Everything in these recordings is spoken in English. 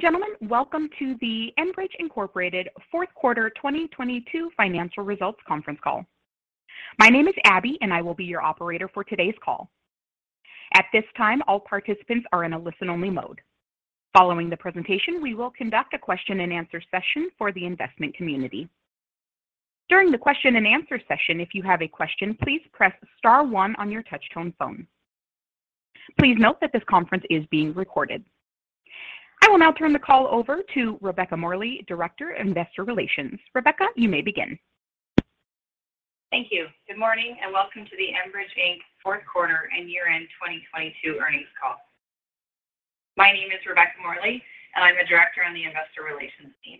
Ladies and gentlemen, welcome to the Enbridge Inc. Fourth Quarter 2022 Financial Results Conference Call. My name is Abby. I will be your operator for today's call. At this time, all participants are in a listen-only mode. Following the presentation, we will conduct a question and answer session for the investment community. During the question and answer session, if you have a question, please press star one on your touch-tone phone. Please note that this conference is being recorded. I will now turn the call over to Rebecca Morley, Director of Investor Relations. Rebecca, you may begin. Thank you. Good morning, welcome to the Enbridge Inc. Fourth Quarter and Year-End 2022 Earnings Call. My name is Rebecca Morley, I'm a director on the investor relations team.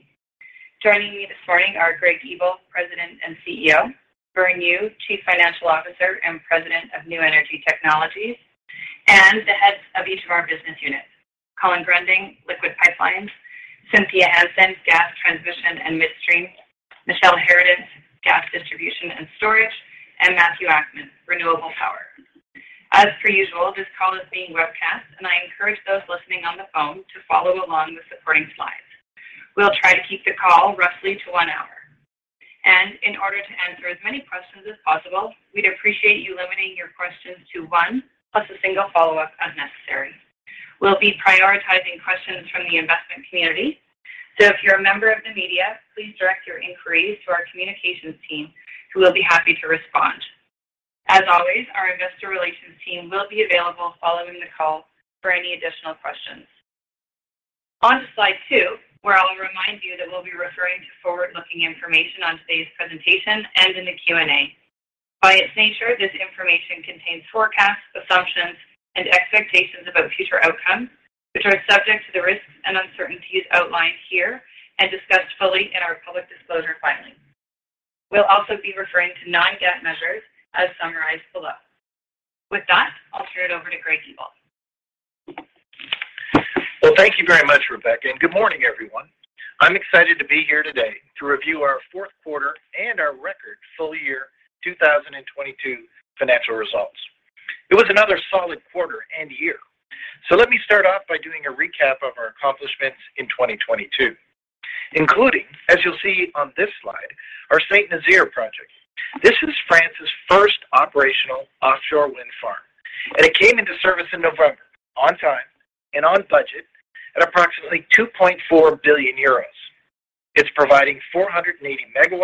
Joining me this morning are Greg Ebel, President and CEO, Vern Yu, Chief Financial Officer and President of New Energy Technologies, the heads of each of our business units, Colin Gruending, Liquids Pipelines, Cynthia Hansen, Gas Transmission and Midstream, Michele Harradence, Gas Distribution and Storage, Matthew Akman, Renewable Power. As per usual, this call is being webcast, I encourage those listening on the phone to follow along with the supporting slides. We'll try to keep the call roughly to one hour. In order to answer as many questions as possible, we'd appreciate you limiting your questions to one, plus a single follow-up as necessary. We'll be prioritizing questions from the investment community. If you're a member of the media, please direct your inquiries to our communications team, who will be happy to respond. As always, our investor relations team will be available following the call for any additional questions. On to slide 2, where I'll remind you that we'll be referring to forward-looking information on today's presentation and in the Q&A. By its nature, this information contains forecasts, assumptions, and expectations about future outcomes, which are subject to the risks and uncertainties outlined here and discussed fully in our public disclosure filings. We'll also be referring to non-GAAP measures as summarized below. With that, I'll turn it over to Greg Ebel. Thank you very much, Rebecca, good morning, everyone. I'm excited to be here today to review our fourth quarter and our record full year 2022 financial results. It was another solid quarter and year. Let me start off by doing a recap of our accomplishments in 2022, including, as you'll see on this slide, our Saint-Nazaire project. This is France's first operational offshore wind farm, and it came into service in November on time and on budget at approximately 2.4 billion euros. It's providing 480 MW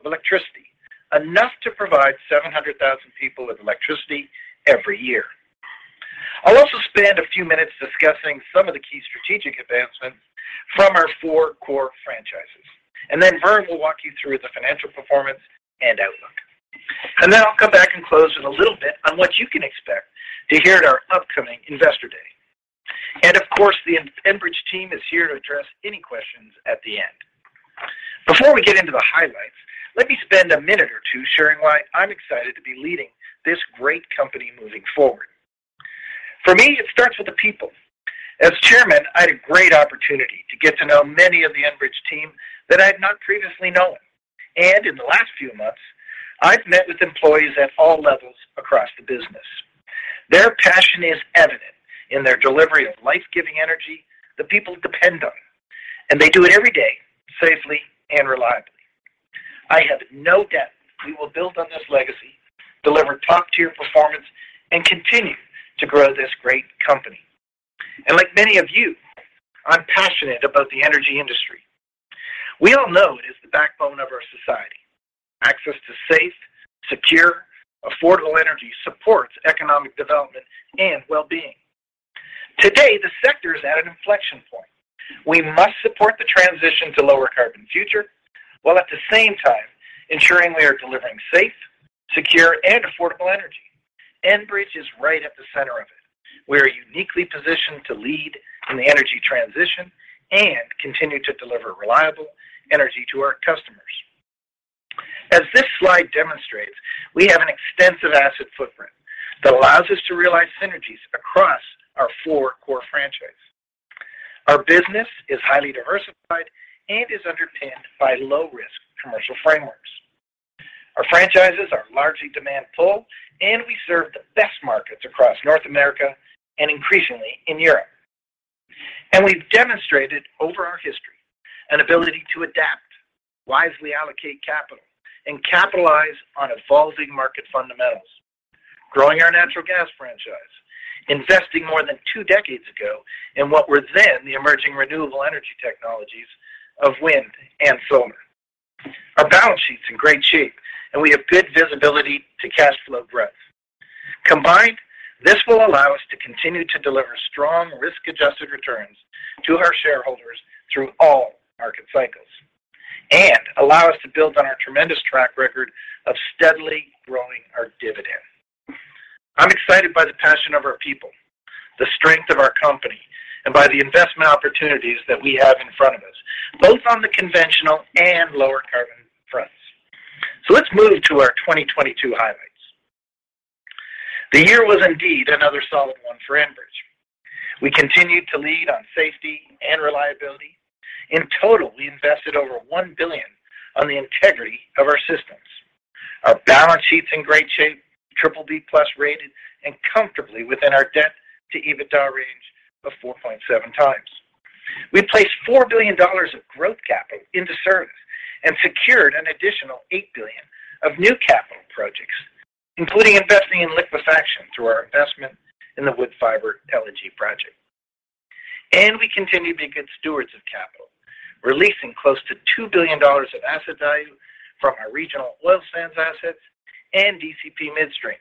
of electricity, enough to provide 700,000 people with electricity every year. I'll also spend a few minutes discussing some of the key strategic advancements from our four core franchises, and then Vern will walk you through the financial performance and outlook. I'll come back and close with a little bit on what you can expect to hear at our upcoming Investor Day. Of course, the Enbridge team is here to address any questions at the end. Before we get into the highlights, let me spend a minute or two sharing why I'm excited to be leading this great company moving forward. For me, it starts with the people. As Chairman, I had a great opportunity to get to know many of the Enbridge team that I had not previously known. In the last few months, I've met with employees at all levels across the business. Their passion is evident in their delivery of life-giving energy the people depend on, and they do it every day, safely and reliably. I have no doubt we will build on this legacy, deliver top-tier performance, and continue to grow this great company. Like many of you, I'm passionate about the energy industry. We all know it is the backbone of our society. Access to safe, secure, affordable energy supports economic development and well-being. Today, the sector is at an inflection point. We must support the transition to lower carbon future, while at the same time ensuring we are delivering safe, secure, and affordable energy. Enbridge is right at the center of it. We are uniquely positioned to lead in the energy transition and continue to deliver reliable energy to our customers. As this slide demonstrates, we have an extensive asset footprint that allows us to realize synergies across our four core franchise. Our business is highly diversified and is underpinned by low-risk commercial frameworks. Our franchises are largely demand full, we serve the best markets across North America and increasingly in Europe. We've demonstrated over our history an ability to adapt, wisely allocate capital, and capitalize on evolving market fundamentals, growing our natural gas franchise, investing more than two decades ago in what were then the emerging renewable energy technologies of wind and solar. Our balance sheet's in great shape, and we have good visibility to cash flow growth. Combined, this will allow us to continue to deliver strong risk-adjusted returns to our shareholders through all market cycles and allow us to build on our tremendous track record of steadily growing our dividend. I'm excited by the passion of our people, the strength of our company, and by the investment opportunities that we have in front of us, both on the conventional and lower carbon fronts. Let's move to our 2022 highlights. The year was indeed another solid one for Enbridge. We continued to lead on safety and reliability. In total, we invested over $1 billion on the integrity of our systems. Our balance sheet's in great shape, DDD+ rated and comfortably within our debt to EBITDA range of 4.7 times. We placed $4 billion of growth capital into service and secured an additional $8 billion of new capital projects, including investing in liquefaction through our investment in the Woodfibre LNG project. We continue to be good stewards of capital, releasing close to $2 billion of asset value from our regional oil sands assets and DCP Midstream.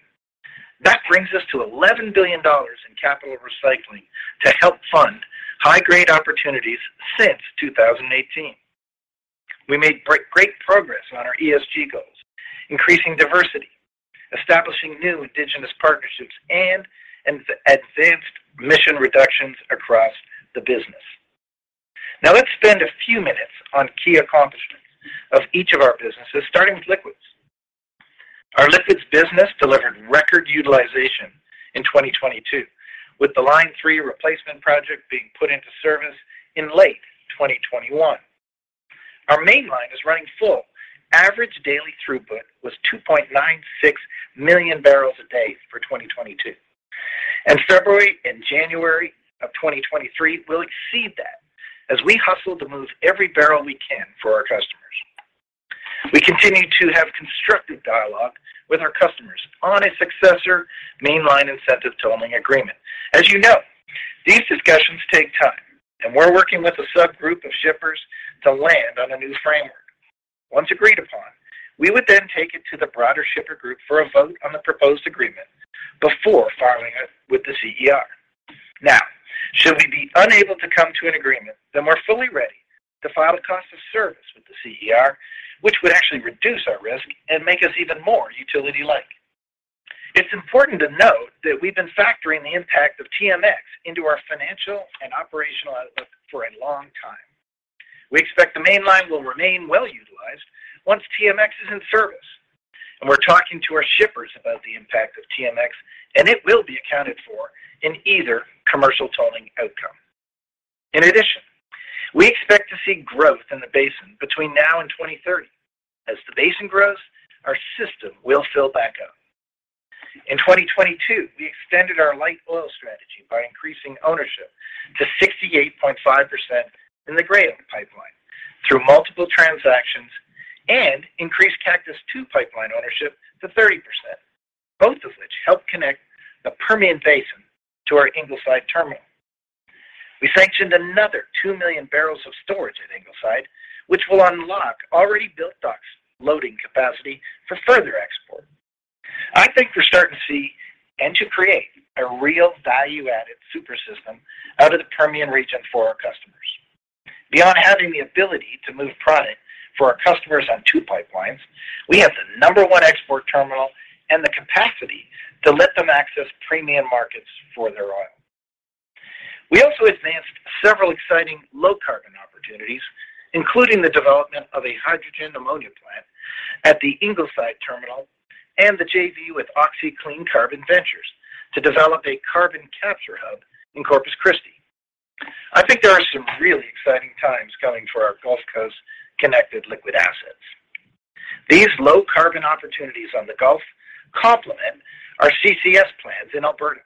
That brings us to $11 billion in capital recycling to help fund high-grade opportunities since 2018. We made great progress on our ESG goals, increasing diversity, establishing new Indigenous partnerships. Advanced emission reductions across the business. Let's spend a few minutes on key accomplishments of each of our businesses, starting with liquids. Our liquids business delivered record utilization in 2022, with the Line 3 replacement project being put into service in late 2021. Our Mainline is running full. Average daily throughput was 2.96 million barrels a day for 2022. February and January of 2023 will exceed that as we hustle to move every barrel we can for our customers. We continue to have constructive dialogue with our customers on a successor Mainline incentive tolling agreement. As you know, these discussions take time. We're working with a subgroup of shippers to land on a new framework. Once agreed upon, we would then take it to the broader shipper group for a vote on the proposed agreement before filing it with the CER. Should we be unable to come to an agreement, then we're fully ready to file a cost of service with the CER, which would actually reduce our risk and make us even more utility-like. It's important to note that we've been factoring the impact of TMX into our financial and operational outlook for a long time. We expect the Mainline will remain well-utilized once TMX is in service, and we're talking to our shippers about the impact of TMX, and it will be accounted for in either commercial tolling outcome. We expect to see growth in the basin between now and 2030. As the basin grows, our system will fill back up. In 2022, we extended our light oil strategy by increasing ownership to 68.5% in the Gray Oak Pipeline through multiple transactions and increased Cactus II pipeline ownership to 30%, both of which help connect the Permian Basin to our Ingleside terminal. We sanctioned another 2 million barrels of storage at Ingleside, which will unlock already built docks loading capacity for further export. I think you're starting to see and to create a real value-added super system out of the Permian region for our customers. Beyond having the ability to move product for our customers on two pipelines, we have the number one export terminal and the capacity to let them access premium markets for their oil. We also advanced several exciting low-carbon opportunities, including the development of a hydrogen ammonia plant at the Ingleside terminal and the JV with Oxy Low Carbon Ventures to develop a carbon capture hub in Corpus Christi. I think there are some really exciting times coming for our Gulf Coast connected liquid assets. These low-carbon opportunities on the Gulf complement our CCS plans in Alberta,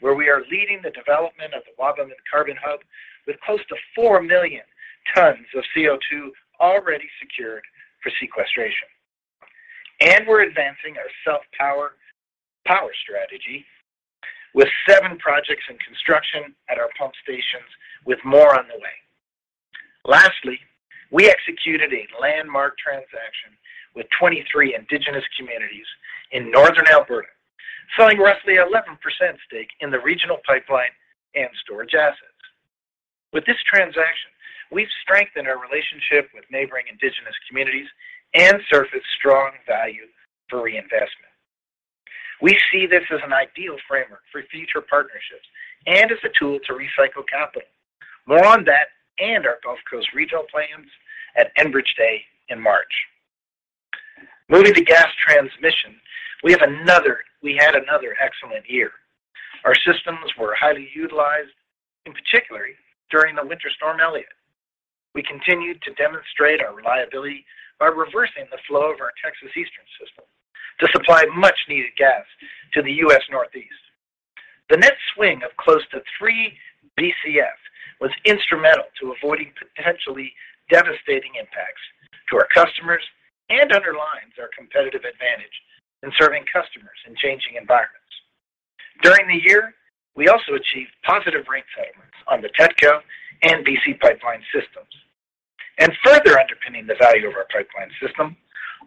where we are leading the development of the Wabamun Carbon Hub with close to 4 million tons of CO₂ already secured for sequestration. We're advancing our self-power strategy with seven projects in construction at our pump stations with more on the way. Lastly, we executed a landmark transaction with 23 indigenous communities in northern Alberta, selling roughly 11% stake in the regional pipeline and storage assets. With this transaction, we've strengthened our relationship with neighboring indigenous communities and surfaced strong value for reinvestment. We see this as an ideal framework for future partnerships and as a tool to recycle capital. More on that and our Gulf Coast retail plans at Enbridge Day in March. Moving to gas transmission, we had another excellent year. Our systems were highly utilized, in particular during the Winter Storm Elliott. We continued to demonstrate our reliability by reversing the flow of our Texas Eastern system to supply much-needed gas to the U.S. Northeast. The net swing of close to three BCF was instrumental to avoiding potentially devastating impacts to our customers and underlines our competitive advantage in serving customers in changing environments. During the year, we also achieved positive rate filings on the TETCO and BC Pipeline systems. Further underpinning the value of our pipeline system,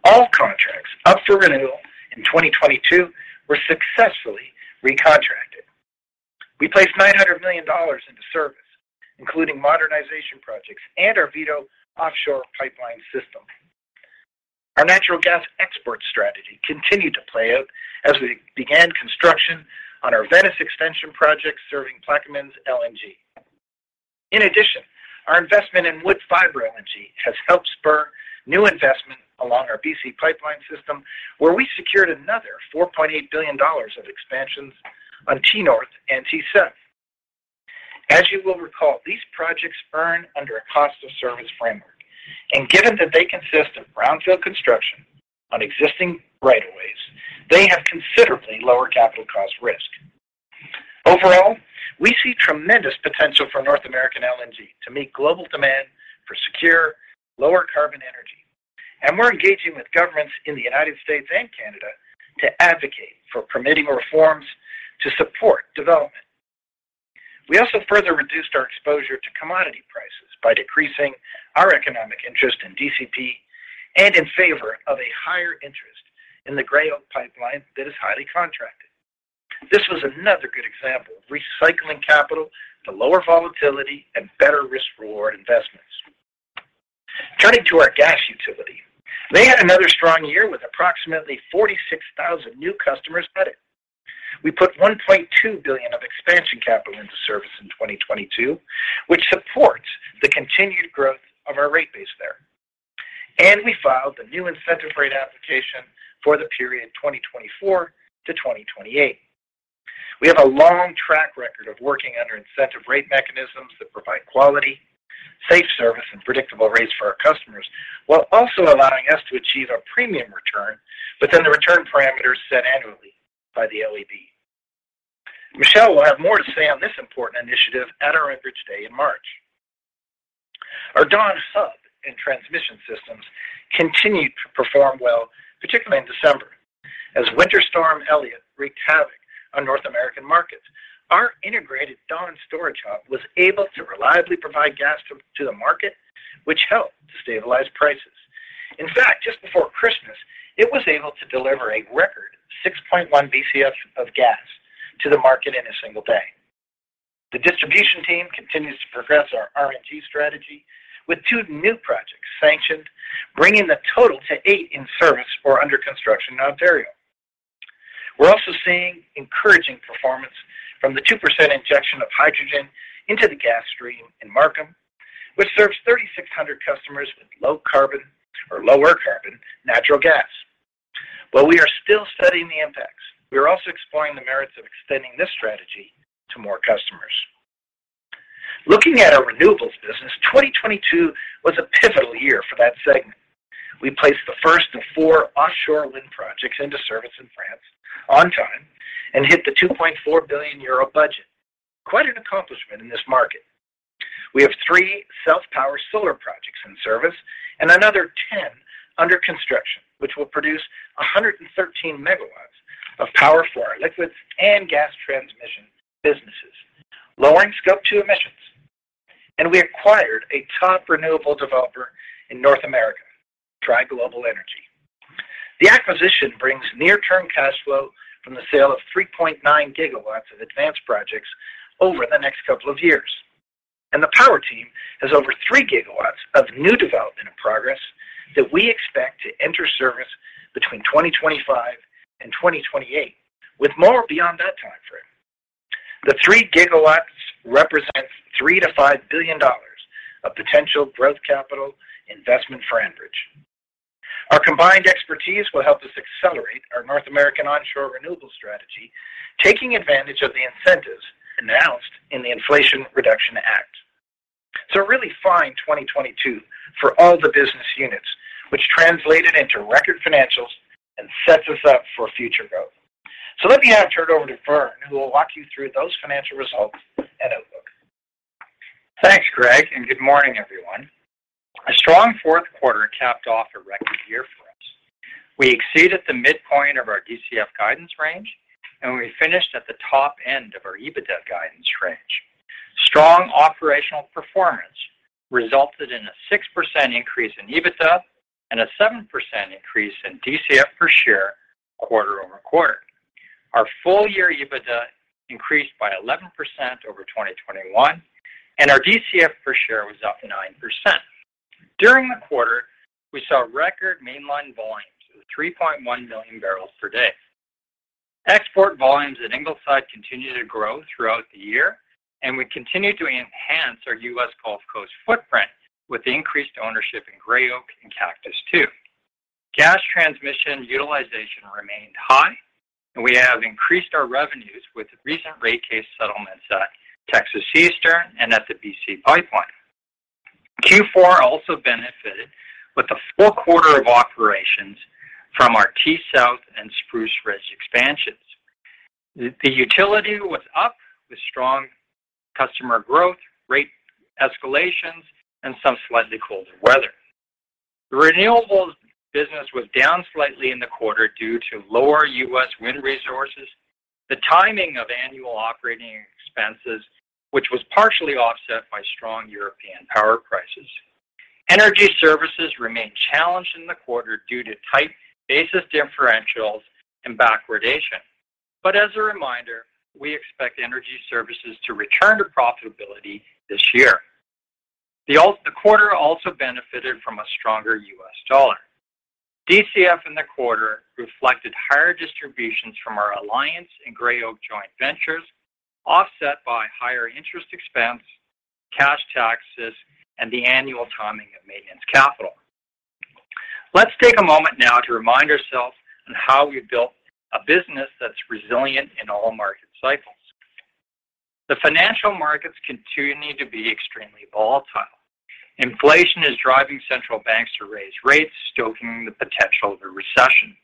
all contracts up for renewal in 2022 were successfully recontracted. We placed $900 million into service, including modernization projects and our Vito offshore pipeline system. Our natural gas export strategy continued to play out as we began construction on our Venice Extension project serving Plaquemines LNG. In addition, our investment in Woodfibre LNG has helped spur new investment along our BC Pipeline system, where we secured another $4.8 billion of expansions on T-North and T-South. As you will recall, these projects earn under a cost of service framework. Given that they consist of brownfield construction on existing right-of-ways, they have considerably lower capital cost risk. Overall, we see tremendous potential for North American LNG to meet global demand for secure, lower carbon energy. We're engaging with governments in the United States and Canada to advocate for permitting reforms to support development. We also further reduced our exposure to commodity prices by decreasing our economic interest in DCP and in favor of a higher interest in the Gray Oak pipeline that is highly contracted. This was another good example of recycling capital to lower volatility and better risk-reward investments. Turning to our gas utility, they had another strong year with approximately 46,000 new customers added. We put 1.2 billion of expansion capital into service in 2022, which supports the continued growth of our rate base there. We filed the new incentive rate application for the period 2024 to 2028. We have a long track record of working under incentive rate mechanisms that provide quality, safe service, and predictable rates for our customers while also allowing us to achieve our premium return within the return parameters set annually by the OEB. Michele will have more to say on this important initiative at our Enbridge Day in March. Our Dawn hub and transmission systems continued to perform well, particularly in December. As Winter Storm Elliott wreaked havoc on North American markets, our integrated Dawn storage hub was able to reliably provide gas to the market, which helped to stabilize prices. In fact, just before Christmas, it was able to deliver a record 6.1 BCF of gas to the market in a single day. The distribution team continues to progress our RNG strategy with two new projects sanctioned, bringing the total to eight in service or under construction in Ontario. We're also seeing encouraging performance from the 2% injection of hydrogen into the gas stream in Markham, which serves 3,600 customers with low carbon or lower carbon natural gas. While we are still studying the impacts, we are also exploring the merits of extending this strategy to more customers. Looking at our renewables business, 2022 was a pivotal year for that segment. We placed the 1st of four offshore wind projects into service in France on time and hit the 2.4 billion euro budget. Quite an accomplishment in this market. We have three self-power solar projects in service and another 10 under construction, which will produce 113 MW of power for our liquids and gas transmission businesses, lowering Scope 2 emissions. We acquired a top renewable developer in North America, Tri Global Energy. The acquisition brings near-term cash flow from the sale of 3.9 GW of advanced projects over the next couple of years. The power team has over 3 GW of new development in progress that we expect to enter service between 2025 and 2028, with more beyond that timeframe. The 3 GW represents $3 billion-$5 billion of potential growth capital investment for Enbridge. Our combined expertise will help us accelerate our North American onshore renewable strategy, taking advantage of the incentives announced in the Inflation Reduction Act. A really fine 2022 for all the business units, which translated into record financials and sets us up for future growth. Let me now turn it over to Vern, who will walk you through those financial results and outlook. Thanks, Greg, and good morning, everyone. A strong fourth quarter capped off a record year for us. We exceeded the midpoint of our DCF guidance range, and we finished at the top end of our EBITDA guidance range. Strong operational performance resulted in a 6% increase in EBITDA and a 7% increase in DCF per share quarter-over-quarter. Our full-year EBITDA increased by 11% over 2021, and our DCF per share was up 9%. During the quarter, we saw record Mainline volumes of 3.1 million barrels per day. Export volumes at Ingleside continued to grow throughout the year, and we continued to enhance our US Gulf Coast footprint with increased ownership in Gray Oak and Cactus II. Gas transmission utilization remained high, and we have increased our revenues with recent rate case settlements at Texas Eastern and at the BC Pipeline. Q4 also benefited with a full quarter of operations from our T-South and Spruce Ridge expansions. The utility was up with strong customer growth, rate escalations, and some slightly colder weather. The renewables business was down slightly in the quarter due to lower U.S. wind resources, the timing of annual operating expenses, which was partially offset by strong European power prices. Energy services remained challenged in the quarter due to tight basis differentials and backwardation. As a reminder, we expect energy services to return to profitability this year. The quarter also benefited from a stronger U.S. dollar. DCF in the quarter reflected higher distributions from our Alliance and Gray Oak joint ventures, offset by higher interest expense, cash taxes, and the annual timing of maintenance capital. Let's take a moment now to remind ourselves on how we built a business that's resilient in all market cycles. The financial markets continue to be extremely volatile. Inflation is driving central banks to raise rates, stoking the potential of a recession.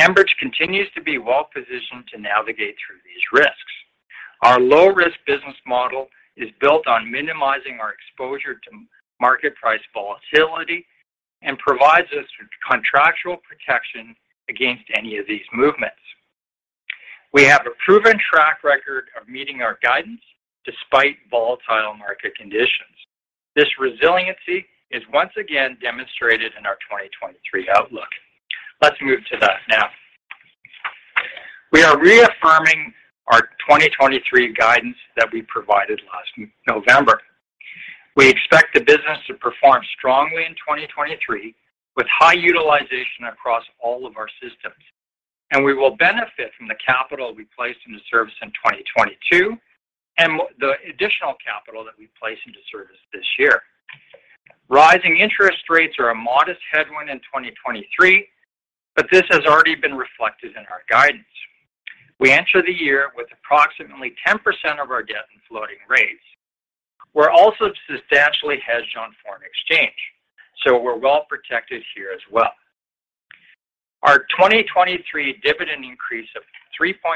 Enbridge continues to be well-positioned to navigate through these risks. Our low-risk business model is built on minimizing our exposure to market price volatility and provides us with contractual protection against any of these movements. We have a proven track record of meeting our guidance despite volatile market conditions. This resiliency is once again demonstrated in our 2023 outlook. Let's move to that now. We are reaffirming our 2023 guidance that we provided last November. We expect the business to perform strongly in 2023, with high utilization across all of our systems. We will benefit from the capital we placed into service in 2022, and the additional capital that we placed into service this year. Rising interest rates are a modest headwind in 2023. This has already been reflected in our guidance. We enter the year with approximately 10% of our debt in floating rates. We're also substantially hedged on foreign exchange. We're well-protected here as well. Our 2023 dividend increase of 3.2%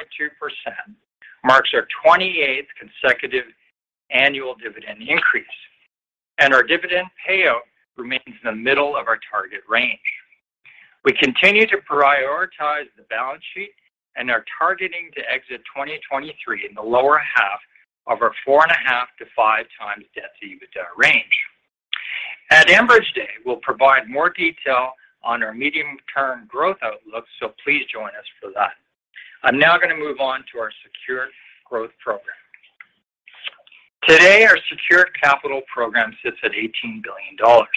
marks our 28th consecutive annual dividend increase. Our dividend payout remains in the middle of our target range. We continue to prioritize the balance sheet and are targeting to exit 2023 in the lower half of our 4.5x-5x debt-to-EBITDA range. At Enbridge Day, we'll provide more detail on our medium-term growth outlook. Please join us for that. I'm now gonna move on to our secure growth program. Today, our secured capital program sits at 18 billion dollars.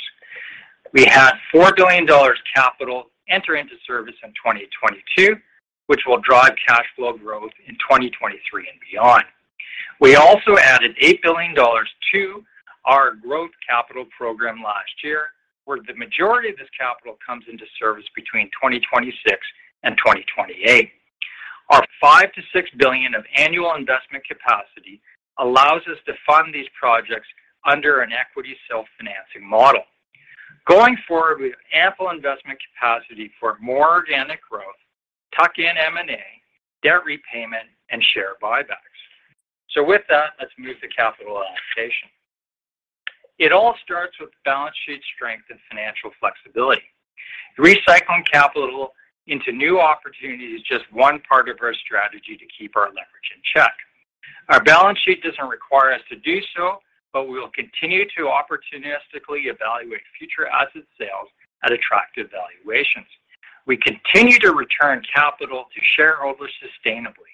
We had 4 billion dollars capital enter into service in 2022, which will drive cash flow growth in 2023 and beyond. We also added 8 billion dollars to our growth capital program last year, where the majority of this capital comes into service between 2026 and 2028. Our 5 billion-6 billion of annual investment capacity allows us to fund these projects under an equity self-financing model. Going forward, we have ample investment capacity for more organic growth, tuck-in M&A, debt repayment, and share buybacks. With that, let's move to capital allocation. It all starts with balance sheet strength and financial flexibility. Recycling capital into new opportunities is just one part of our strategy to keep our leverage in check. Our balance sheet doesn't require us to do so, but we will continue to opportunistically evaluate future asset sales at attractive valuations. We continue to return capital to shareholders sustainably.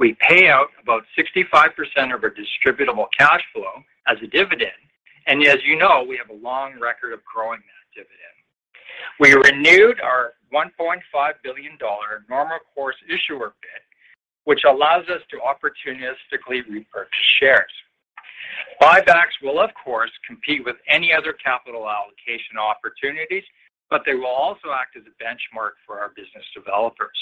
We pay out about 65% of our distributable cash flow as a dividend, and as you know, we have a long record of growing that dividend. We renewed our $1.5 billion normal course issuer bid, which allows us to opportunistically repurchase shares. Buybacks will of course compete with any other capital allocation opportunities, but they will also act as a benchmark for our business developers.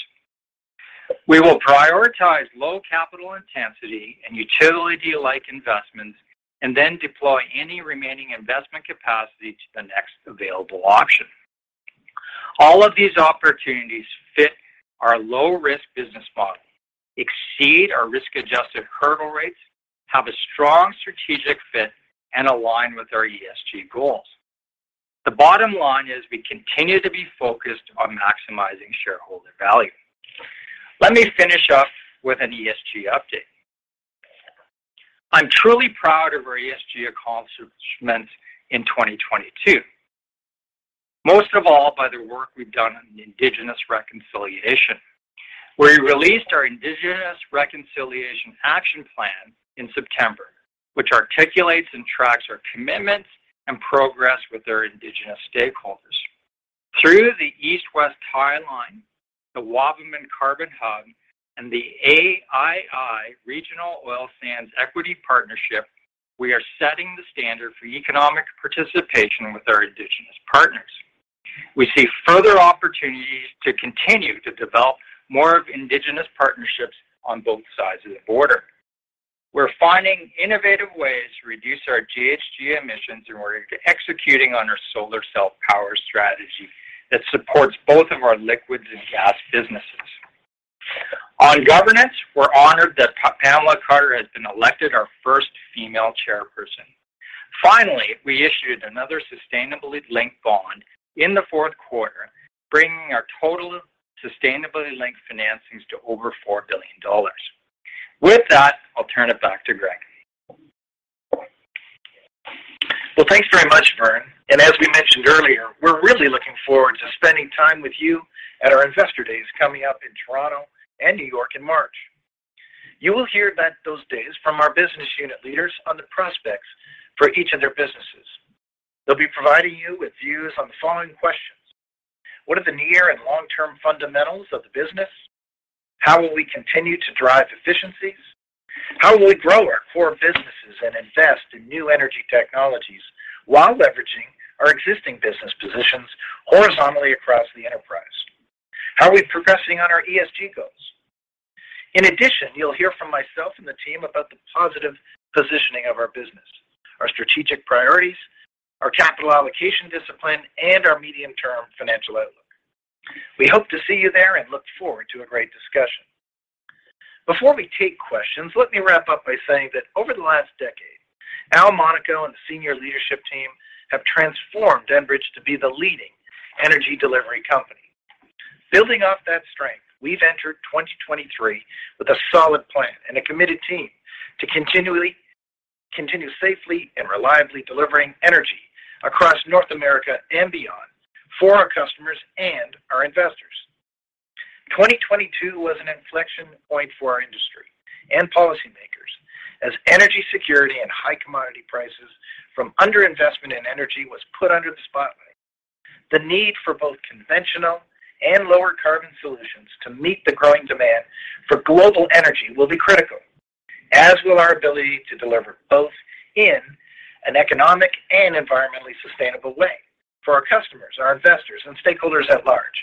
We will prioritize low capital intensity and utility-like investments and then deploy any remaining investment capacity to the next available option. All of these opportunities fit our low-risk business model, exceed our risk-adjusted hurdle rates, have a strong strategic fit, and align with our ESG goals. The bottom line is we continue to be focused on maximizing shareholder value. Let me finish up with an ESG update. I'm truly proud of our ESG accomplishments in 2022, most of all by the work we've done on Indigenous Reconciliation. We released our Indigenous Reconciliation Action Plan in September, which articulates and tracks our commitments and progress with our Indigenous stakeholders. Through the East-West Pipeline, the Wabamun Carbon Hub, and the Aii Regional Oil Sands Equity Partnership, we are setting the standard for economic participation with our Indigenous partners. We see further opportunities to continue to develop more Indigenous partnerships on both sides of the border. We're finding innovative ways to reduce our GHG emissions and we're executing on our solar self-power strategy that supports both of our liquids and gas businesses. On governance, we're honored that Pamela Carter has been elected our first female Chairperson. Finally, we issued another sustainability-linked bond in the fourth quarter, bringing our total sustainability-linked financings to over 4 billion dollars. With that, I'll turn it back to Greg. Well, thanks very much, Vern. As we mentioned earlier, we're really looking forward to spending time with you at our Investor Days coming up in Toronto and New York in March. You will hear that those days from our business unit leaders on the prospects for each of their businesses. They'll be providing you with views on the following questions. What are the near and long-term fundamentals of the business? How will we continue to drive efficiencies? How will we grow our core businesses and invest in new energy technologies while leveraging our existing business positions horizontally across the enterprise? How are we progressing on our ESG goals? In addition, you'll hear from myself and the team about the positive positioning of our business, our strategic priorities, our capital allocation discipline, and our medium-term financial outlook. We hope to see you there and look forward to a great discussion. Before we take questions, let me wrap up by saying that over the last decade, Al Monaco and the senior leadership team have transformed Enbridge to be the leading energy delivery company. Building off that strength, we've entered 2023 with a solid plan and a committed team to continue safely and reliably delivering energy across North America and beyond for our customers and our investors. 2022 was an inflection point for our industry and policymakers as energy security and high commodity prices from underinvestment in energy was put under the spotlight. The need for both conventional and lower carbon solutions to meet the growing demand for global energy will be critical, as will our ability to deliver both in an economic and environmentally sustainable way for our customers, our investors and stakeholders at large.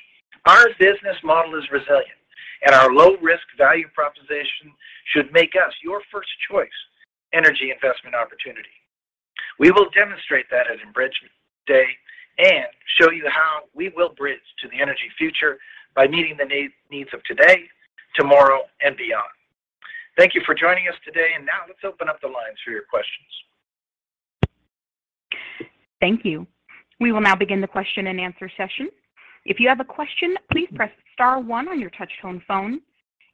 Our business model is resilient, and our low-risk value proposition should make us your first choice energy investment opportunity. We will demonstrate that at Enbridge today and show you how we will bridge to the energy future by meeting the needs of today, tomorrow and beyond. Thank you for joining us today. Now let's open up the lines for your questions. Thank you. We will now begin the question-and-answer session. If you have a question, please press star one on your touch-tone phone.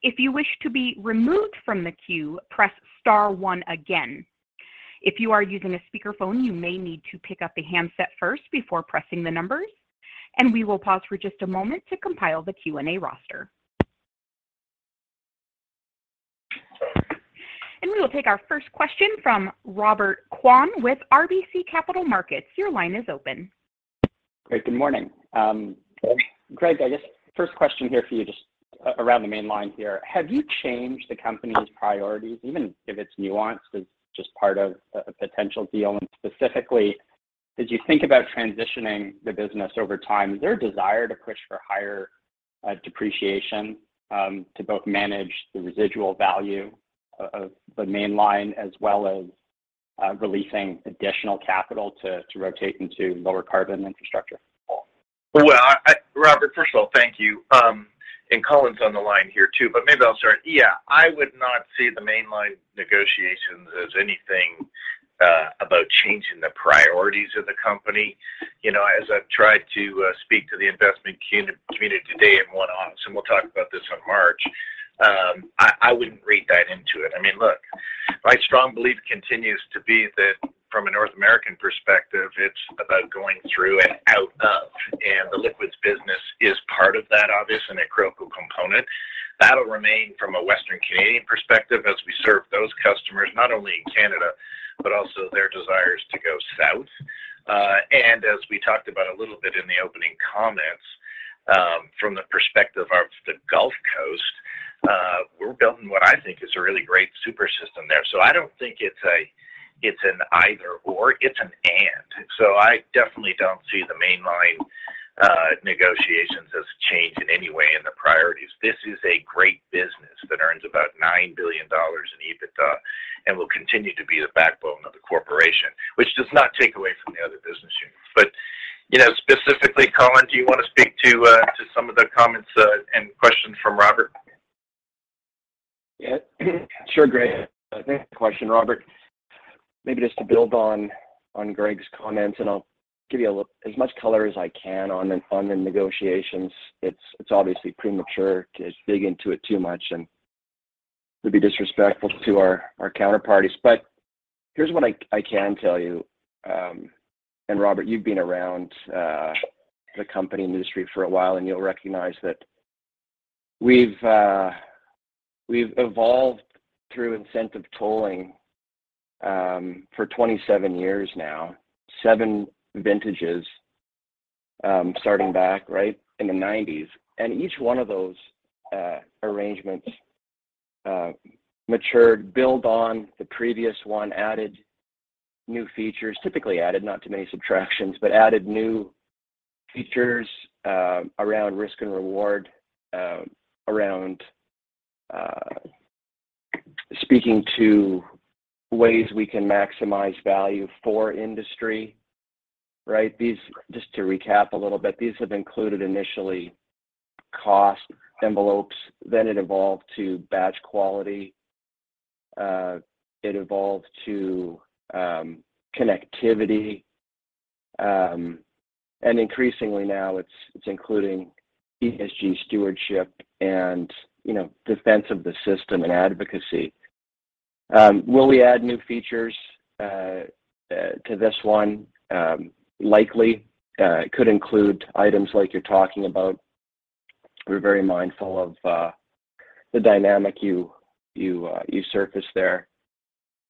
If you wish to be removed from the queue, press star one again. If you are using a speakerphone, you may need to pick up the handset first before pressing the numbers. We will pause for just a moment to compile the Q&A roster. We will take our first question from Robert Kwan with RBC Capital Markets. Your line is open. Great. Good morning. Good. Greg, I guess first question here for you, just around the Mainline here. Have you changed the company's priorities, even if it's nuanced, as just part of a potential deal? Specifically, as you think about transitioning the business over time, is there a desire to push for higher depreciation, to both manage the residual value of the Mainline as well as releasing additional capital to rotate into lower carbon infrastructure? Well, Robert, first of all, thank you. Colin's on the line here too, but maybe I'll start. I would not see the Mainline negotiations as anything about changing the priorities of the company. You know, as I've tried to speak to the investment community today in one office, and we'll talk about this on March, I wouldn't read that into it. I mean, look, my strong belief continues to be that from a North American perspective, it's about going through and out of, and the liquids business is part of that, obviously, an integral component. That'll remain from a Western Canadian perspective as we serve those customers, not only in Canada, but also their desires to go south. As we talked about a little bit in the opening comments, from the perspective of the Gulf Coast, we're building what I think is a really great super system there. I don't think it's an either/or, it's an and. I definitely don't see the Mainline negotiations as a change in any way in the priorities. This is a great business that earns about 9 billion dollars in EBITDA and will continue to be the backbone of the corporation, which does not take away from the other business units. You know, specifically, Colin, do you wanna speak to some of the comments and questions from Robert? Yeah. Sure, Greg. Thanks for the question, Robert. Maybe just to build on Greg's comments, and I'll give you as much color as I can on the negotiations. It's obviously premature to dig into it too much and would be disrespectful to our counterparties. Here's what I can tell you, and Robert, you've been around the company industry for a while, and you'll recognize that we've evolved through incentive tolling for 27 years now, seven vintages, starting back right in the nineties. Each one of those arrangements matured, build on the previous one, added new features. Typically added, not too many subtractions, but added new features around risk and reward, around speaking to ways we can maximize value for industry, right? Just to recap a little bit, these have included initially cost envelopes, then it evolved to batch quality, it evolved to connectivity, and increasingly now it's including ESG stewardship and, you know, defense of the system and advocacy. Will we add new features to this one? Likely. It could include items like you're talking about. We're very mindful of the dynamic you surfaced there.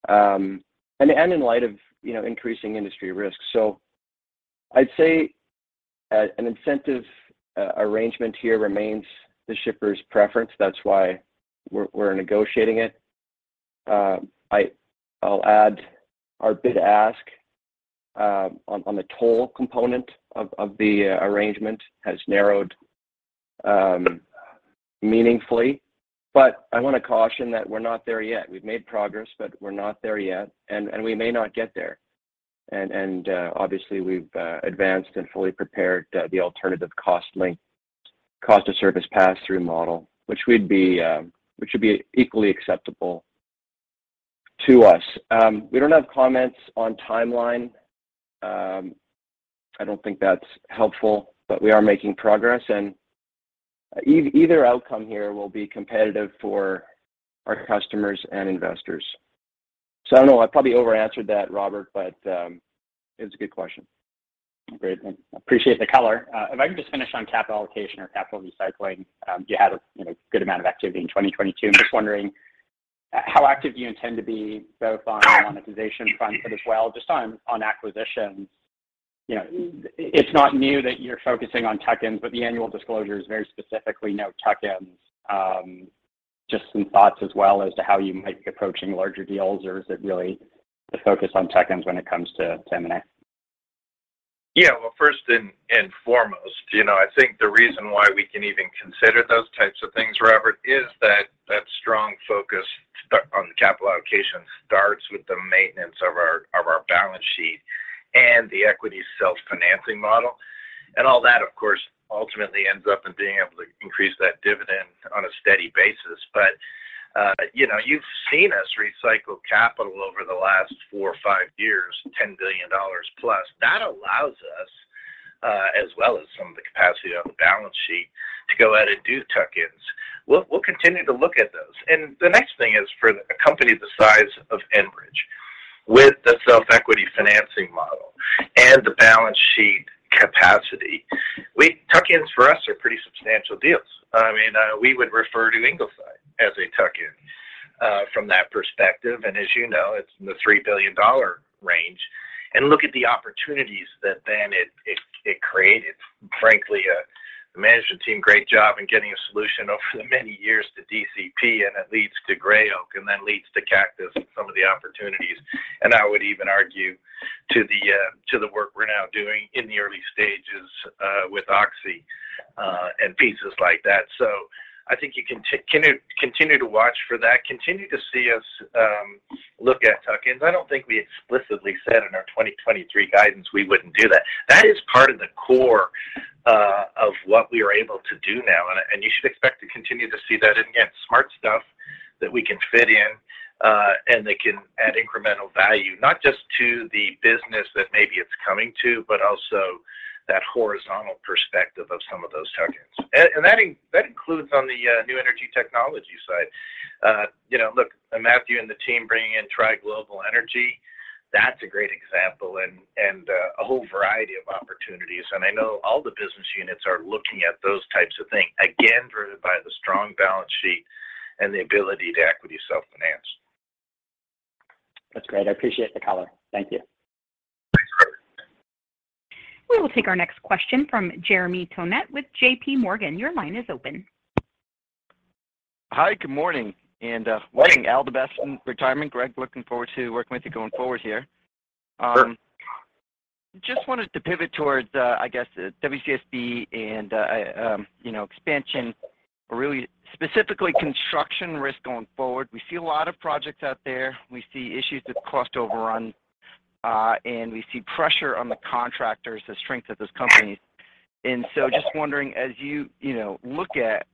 In light of, you know, increasing industry risks. I'd say an incentive arrangement here remains the shipper's preference. That's why we're negotiating it. I'll add our bid-ask on the toll component of the arrangement has narrowed meaningfully. I wanna caution that we're not there yet. We've made progress, but we're not there yet, and we may not get there. Obviously, we've advanced and fully prepared the alternative cost link, cost of service passthrough model, which we'd be, which would be equally acceptable to us. We don't have comments on timeline. I don't think that's helpful, but we are making progress, and either outcome here will be competitive for our customers and investors. I don't know. I probably over-answered that, Robert, but it was a good question. Great. Appreciate the color. If I can just finish on capital allocation or capital recycling. You had a, you know, good amount of activity in 2022. I'm just wondering how active do you intend to be both on monetization front, but as well, just on acquisitions? You know, it's not new that you're focusing on tuck-ins, but the annual disclosure is very specifically no tuck-ins. Just some thoughts as well as to how you might be approaching larger deals, or is it really the focus on tuck-ins when it comes to M&A? Yeah. Well, first and foremost, you know, I think the reason why we can even consider those types of things, Robert, is that that strong focus on the capital allocation starts with the maintenance of our balance sheet and the equity self-financing model. All that, of course, ultimately ends up in being able to increase that dividend on a steady basis. You know, you've seen us recycle capital over the last four or five years, 10 billion dollars+. That allows us, as well as some of the capacity on the balance sheet to go out and do tuck-ins. We'll continue to look at those. The next thing is for a company the size of Enbridge, with the self-equity financing model and the balance sheet capacity, tuck-ins for us are pretty substantial deals. I mean, we would refer to Ingleside as a tuck-in from that perspective. As you know, it's in the $3 billion range. Look at the opportunities that then it created. Frankly, the management team, great job in getting a solution over the many years to DCP, and it leads to Gray Oak and then leads to Cactus and some of the opportunities. I would even argue to the work we're now doing in the early stages with Oxy and pieces like that. I think you can continue to watch for that, continue to see us look at tuck-ins. I don't think we explicitly said in our 2023 guidance we wouldn't do that. That is part of the core of what we are able to do now, and you should expect to continue to see that. Again, smart stuff that we can fit in and that can add incremental value, not just to the business that maybe it's coming to, but also that horizontal perspective of some of those tuck-ins. That includes on the new energy technology side. You know, look, Matthew and the team bringing in Tri Global Energy, that's a great example and a whole variety of opportunities. I know all the business units are looking at those types of things, again, driven by the strong balance sheet and the ability to equity self-finance. That's great. I appreciate the color. Thank you. Thanks, Robert. We will take our next question from Jeremy Tonet with J.P. Morgan. Your line is open. Hi. Good morning. Welcome Al, the best in retirement. Greg, looking forward to working with you going forward here. Sure. Just wanted to pivot towards, I guess WCSB and, you know, expansion, or really specifically construction risk going forward. We see a lot of projects out there. We see issues with cost overrun, and we see pressure on the contractors, the strength of those companies. Just wondering, as you know, look at,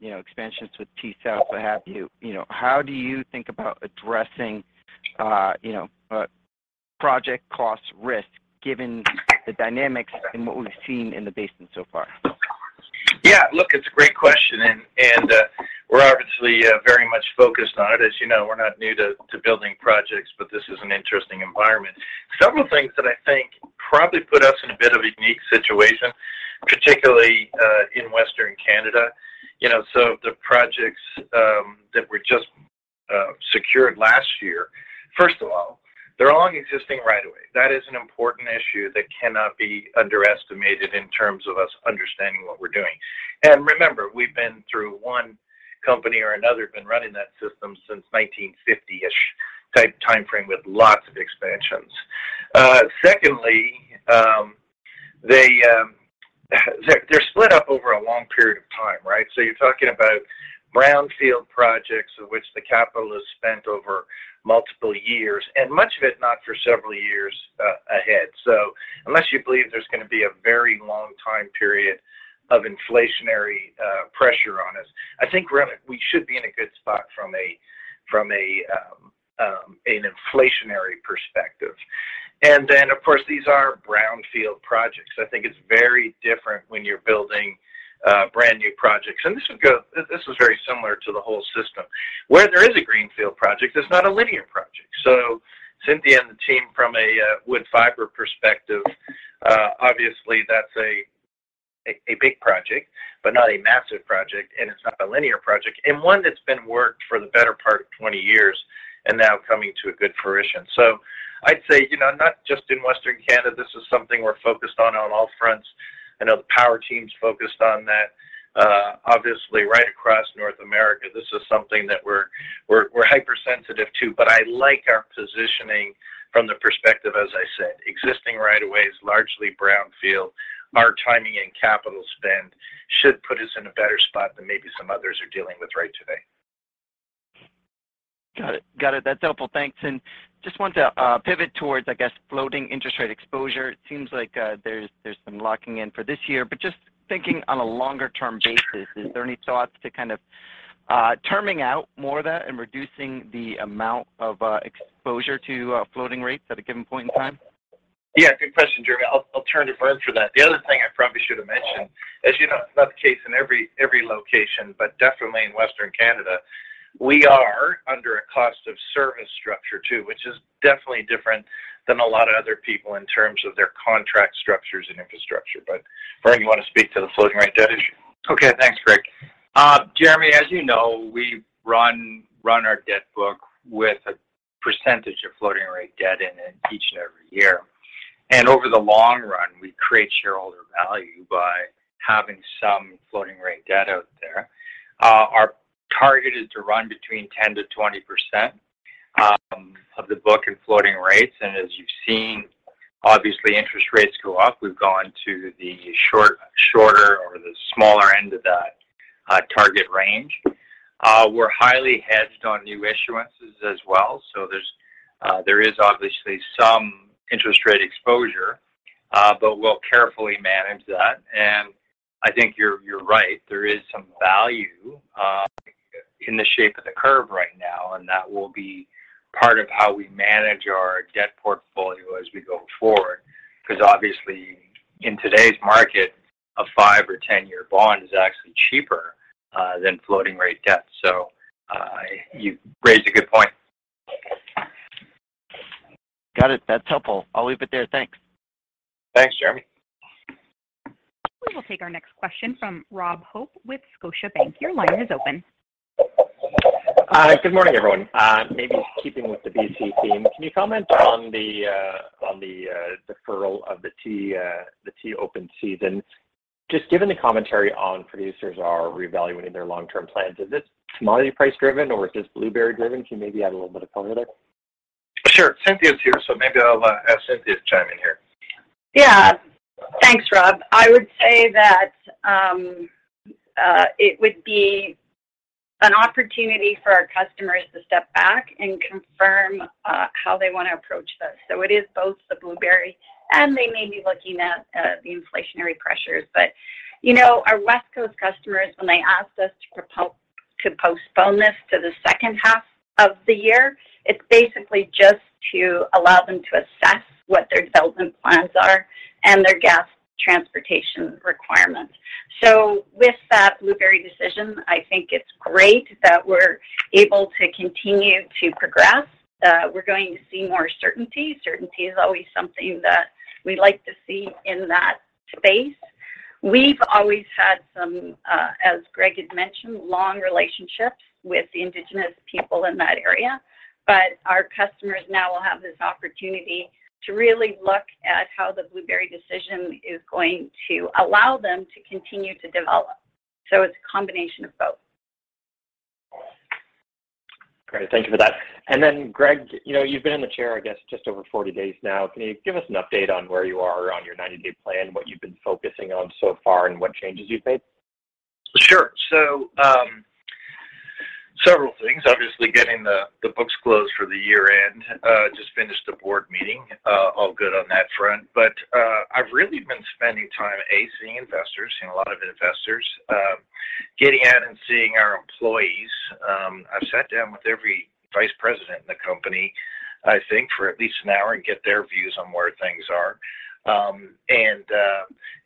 you know, expansions with T-South or what have you know, how do you think about addressing, you know, project cost risk given the dynamics and what we've seen in the basin so far? Yeah. Look, it's a great question. We're obviously very much focused on it. As you know, we're not new to building projects, but this is an interesting environment. Several things that I think probably put us in a bit of a unique situation, particularly in Western Canada. You know, the projects that were just secured last year, first of all, they're along existing right-of-way. That is an important issue that cannot be underestimated in terms of us understanding what we're doing. Remember, we've been through one company or another, been running that system since 1950-ish type timeframe with lots of expansions. Secondly, they're split up over a long period of time, right? You're talking about brownfield projects of which the capital is spent over multiple years, and much of it not for several years ahead. Unless you believe there's gonna be a very long time period of inflationary pressure on us, I think we should be in a good spot from an inflationary perspective. Then, of course, these are brownfield projects. I think it's very different when you're building brand new projects. This is very similar to the whole system. Where there is a greenfield project, it's not a linear project. Cynthia and the team from a Woodfibre perspective, obviously, that's a big project, but not a massive project, and it's not a linear project, and one that's been worked for the better part of 20 years and now coming to a good fruition. I'd say, you know, not just in Western Canada, this is something we're focused on on all fronts. I know the power team's focused on that. Obviously right across North America, this is something that we're hypersensitive to. I like our positioning from the perspective, as I said, existing right of ways, largely brownfield. Our timing and capital spend should put us in a better spot than maybe some others are dealing with right today. Got it. Got it. That's helpful. Thanks. Just want to pivot towards, I guess, floating interest rate exposure. It seems like there's some locking in for this year, but just thinking on a longer-term basis, is there any thoughts to kind of terming out more of that and reducing the amount of exposure to floating rates at a given point in time? Yeah, good question, Jeremy. I'll turn to Vern for that. The other thing I probably should have mentioned, as you know, it's not the case in every location, but definitely in Western Canada, we are under a cost of service structure too, which is definitely different than a lot of other people in terms of their contract structures and infrastructure. Vern, you want to speak to the floating rate debt issue? Okay. Thanks, Greg. Jeremy, as you know, we run our debt book with a percentage of floating rate debt in it each and every year. Over the long run, we create shareholder value by having some floating rate debt out there. Our target is to run between 10%-20% of the book in floating rates. As you've seen, obviously, interest rates go up. We've gone to the smaller end of that target range. We're highly hedged on new issuances as well. There is obviously some interest rate exposure, we'll carefully manage that. I think you're right, there is some value in the shape of the curve right now, that will be part of how we manage our debt portfolio as we go forward. Obviously, in today's market, a 5- or 10-year bond is actually cheaper than floating rate debt. You raise a good point. Got it. That's helpful. I'll leave it there. Thanks. Thanks, Jeremy. We will take our next question from Robert Hope with Scotiabank. Your line is open. Good morning, everyone. Maybe keeping with the BC theme, can you comment on the deferral of the T-South open season? Just given the commentary on producers are reevaluating their long-term plans, is this commodity price driven or is this Blueberry driven? Can you maybe add a little bit of color there? Sure. Cynthia's here. Maybe I'll have Cynthia chime in here. Thanks, Rob. I would say that it would be an opportunity for our customers to step back and confirm how they wanna approach this. It is both the Blueberry, and they may be looking at the inflationary pressures. You know, our West Coast customers, when they asked us to postpone this to the second half of the year, it's basically just to allow them to assess what their development plans are and their gas transportation requirements. With that Blueberry decision, I think it's great that we're able to continue to progress. We're going to see more certainty. Certainty is always something that we like to see in that space. We've always had some, as Greg had mentioned, long relationships with the Indigenous people in that area. Our customers now will have this opportunity to really look at how the Blueberry decision is going to allow them to continue to develop. It's a combination of both. Great. Thank you for that. Greg, you know, you've been in the chair, I guess, just over 40 days now. Can you give us an update on where you are on your 90-day plan, what you've been focusing on so far, and what changes you've made? Sure. Several things. Obviously, getting the books closed for the year-end. Just finished the board meeting, all good on that front. I've really been spending time, A, seeing investors, seeing a lot of investors, getting out and seeing our employees. I've sat down with every vice president in the company, I think, for at least an hour and get their views on where things are,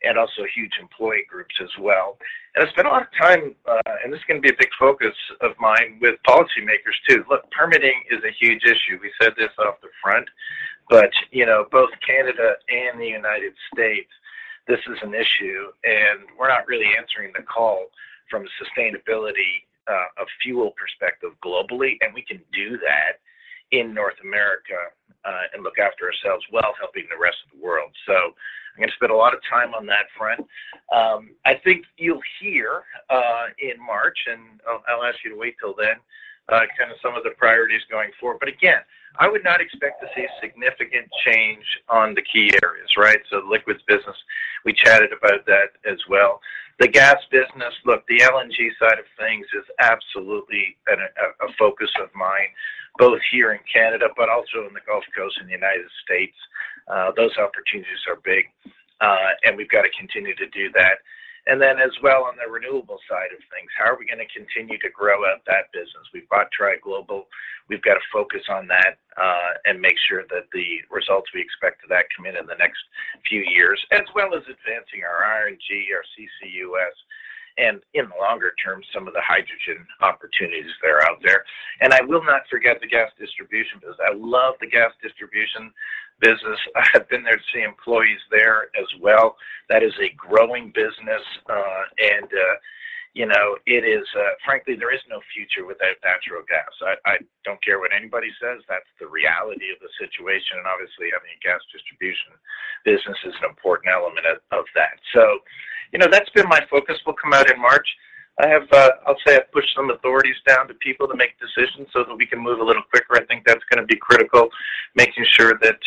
and also huge employee groups as well. I spend a lot of time, and this is gonna be a big focus of mine with policymakers too. Look, permitting is a huge issue. We said this up the front, but, you know, both Canada and the United States, this is an issue, and we're not really answering the call from a sustainability, a fuel perspective globally. We can do that in North America and look after ourselves while helping the rest of the world. I'm gonna spend a lot of time on that front. I think you'll hear in March, and I'll ask you to wait till then, kind of some of the priorities going forward. Again, I would not expect to see a significant change on the key areas, right? The liquids business, we chatted about that as well. The gas business, look, the LNG side of things is absolutely a focus of mine, both here in Canada but also in the Gulf Coast in the United States. Those opportunities are big, and we've got to continue to do that. As well, on the renewables side of things, how are we gonna continue to grow out that business? We've bought Tri Global. We've got to focus on that, and make sure that the results we expect of that come in in the next few years, as well as advancing our RNG, our CCUS. In the longer term, some of the hydrogen opportunities that are out there. I will not forget the gas distribution business. I love the gas distribution business. I have been there to see employees there as well. That is a growing business, and, you know, frankly, there is no future without natural gas. I don't care what anybody says, that's the reality of the situation. Obviously, having a gas distribution business is an important element of that. You know, that's been my focus. We'll come out in March. I'll say I've pushed some authorities down to people to make decisions so that we can move a little quicker. I think that's gonna be critical, making sure that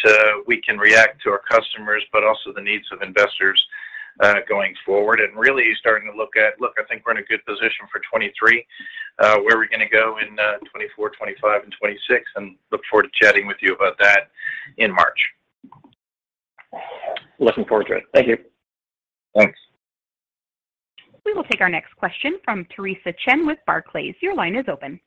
we can react to our customers, but also the needs of investors, going forward, and really starting to look at, Look, I think we're in a good position for 2023, where we're gonna go in 2024, 2025 and 2026, and look forward to chatting with you about that in March. Looking forward to it. Thank you. Thanks. We will take our next question from Theresa Chen with Barclays. Your line is open.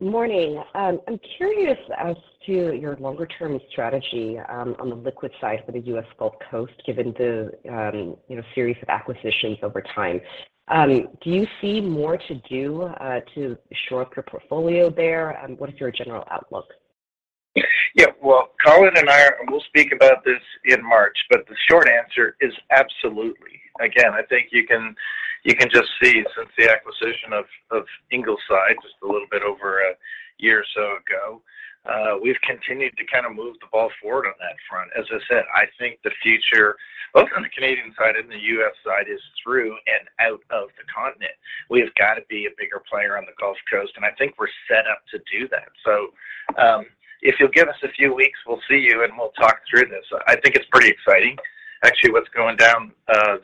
Morning. I'm curious as to your longer term strategy on the liquid side for the U.S. Gulf Coast, given the, you know, series of acquisitions over time. Do you see more to do to shore up your portfolio there? What is your general outlook? Yeah. Well, Colin and I will speak about this in March, but the short answer is absolutely. Again, I think you can just see since the acquisition of Ingleside just a little bit over a year or so ago, we've continued to kind of move the ball forward on that front. As I said, I think the future, both on the Canadian side and the U.S. side, is through and out of the continent. We have got to be a bigger player on the Gulf Coast, and I think we're set up to do that. If you'll give us a few weeks, we'll see you, and we'll talk through this. I think it's pretty exciting, actually, what's going down,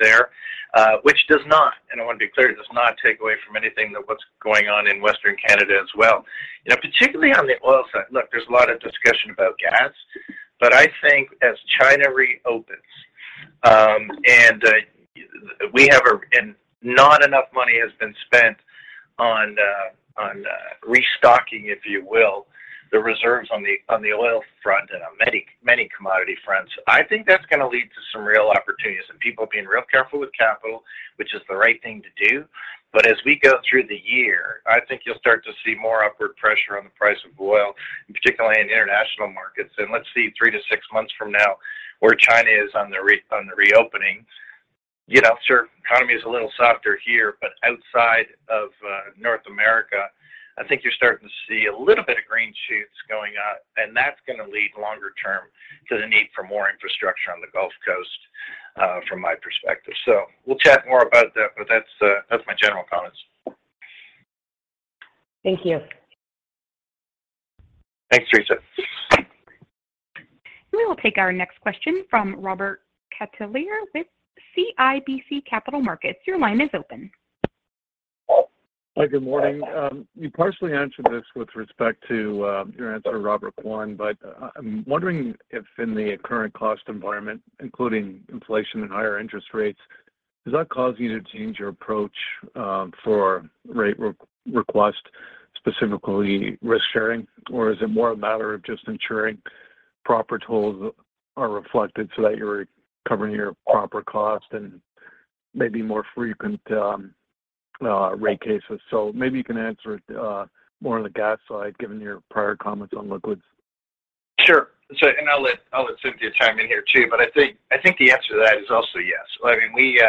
there, which does not, and I want to be clear, does not take away from anything that what's going on in Western Canada as well. You know, particularly on the oil side. Look, there's a lot of discussion about gas, but I think as China reopens, not enough money has been spent on restocking, if you will, the reserves on the oil front and on many commodity fronts. I think that's gonna lead to some real opportunities and people being real careful with capital, which is the right thing to do. As we go through the year, I think you'll start to see more upward pressure on the price of oil, and particularly in international markets. Let's see 3-6 months from now where China is on the reopening. You know, sure, economy is a little softer here, but outside of North America, I think you're starting to see a little bit of green shoots going out, and that's gonna lead longer term to the need for more infrastructure on the Gulf Coast from my perspective. We'll chat more about that, but that's my general comments. Thank you. Thanks, Theresa. We will take our next question from Robert Catellier with CIBC Capital Markets. Your line is open. Hi. Good morning. You partially answered this with respect to, your answer to Robert Kwan. I'm wondering if in the current cost environment, including inflation and higher interest rates, does that cause you to change your approach, for rate re-request, specifically risk sharing? Is it more a matter of just ensuring proper tools are reflected so that you're covering your proper cost and maybe more frequent, rate cases? Maybe you can answer it, more on the gas side, given your prior comments on liquids. Sure. I'll let Cynthia chime in here, too. I think the answer to that is also yes. I mean, we,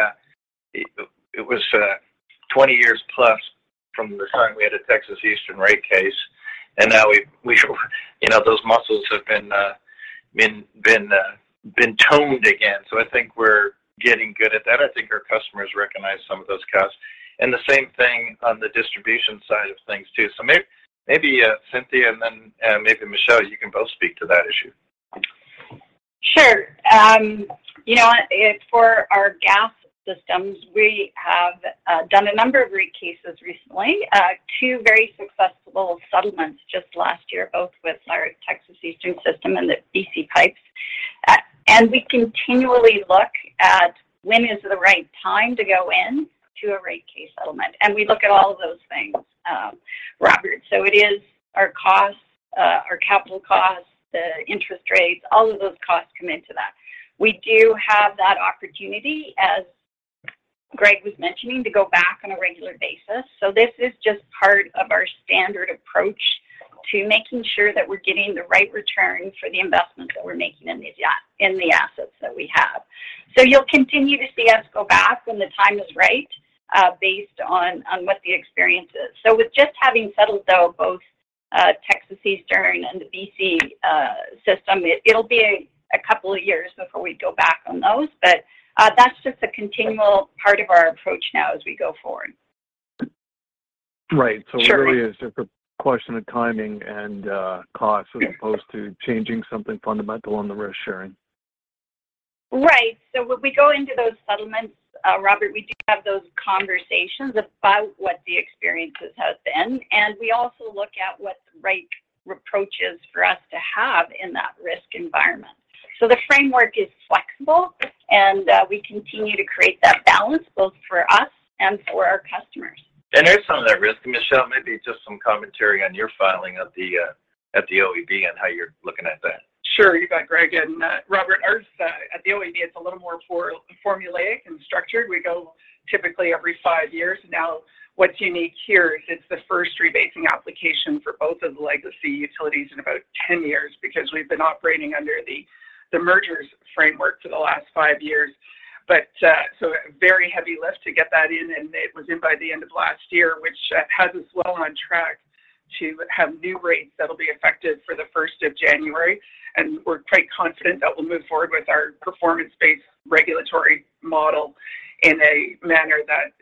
it was 20 years plus from the time we had a Texas Eastern rate case, and now we've. You know, those muscles have been toned again. I think we're getting good at that. The same thing on the distribution side of things, too. Maybe Cynthia and then, maybe Michele, you can both speak to that issue. Sure. You know what? For our gas systems, we have done a number of rate cases recently, two very successful settlements just last year, both with our Texas Eastern system and the BC pipes. We continually look at when is the right time to go in to a rate case settlement, and we look at all of those things, Robert. It is our costs, our capital costs, the interest rates, all of those costs come into that. We do have that opportunity, as Greg was mentioning, to go back on a regular basis. This is just part of our standard approach to making sure that we're getting the right return for the investments that we're making in the assets that we have. You'll continue to see us go back when the time is right, based on what the experience is. With just having settled, though, both Texas Eastern and the BC system, it'll be a couple of years before we go back on those. That's just a continual part of our approach now as we go forward. Right. Sure. It really is a question of timing and cost as opposed to changing something fundamental on the risk sharing. Right. When we go into those settlements, Robert, we do have those conversations about what the experiences has been, and we also look at what the right approach is for us to have in that risk environment. The framework is flexible, and we continue to create that balance both for us and for our customers. There's some of that risk. Michele, maybe just some commentary on your filing of the at the OEB and how you're looking at that? Sure. You got Greg and Robert. Ours, at the OEB, it's a little more formulaic and structured. We go typically every five years. What's unique here is it's the 1st rebasing application for both of the legacy utilities in about 10 years because we've been operating under the mergers framework for the last five years. Very heavy lift to get that in, and it was in by the end of last year, which has us well on track to have new rates that'll be effective for the 1st of January. We're quite confident that we'll move forward with our performance-based regulatory model in a manner that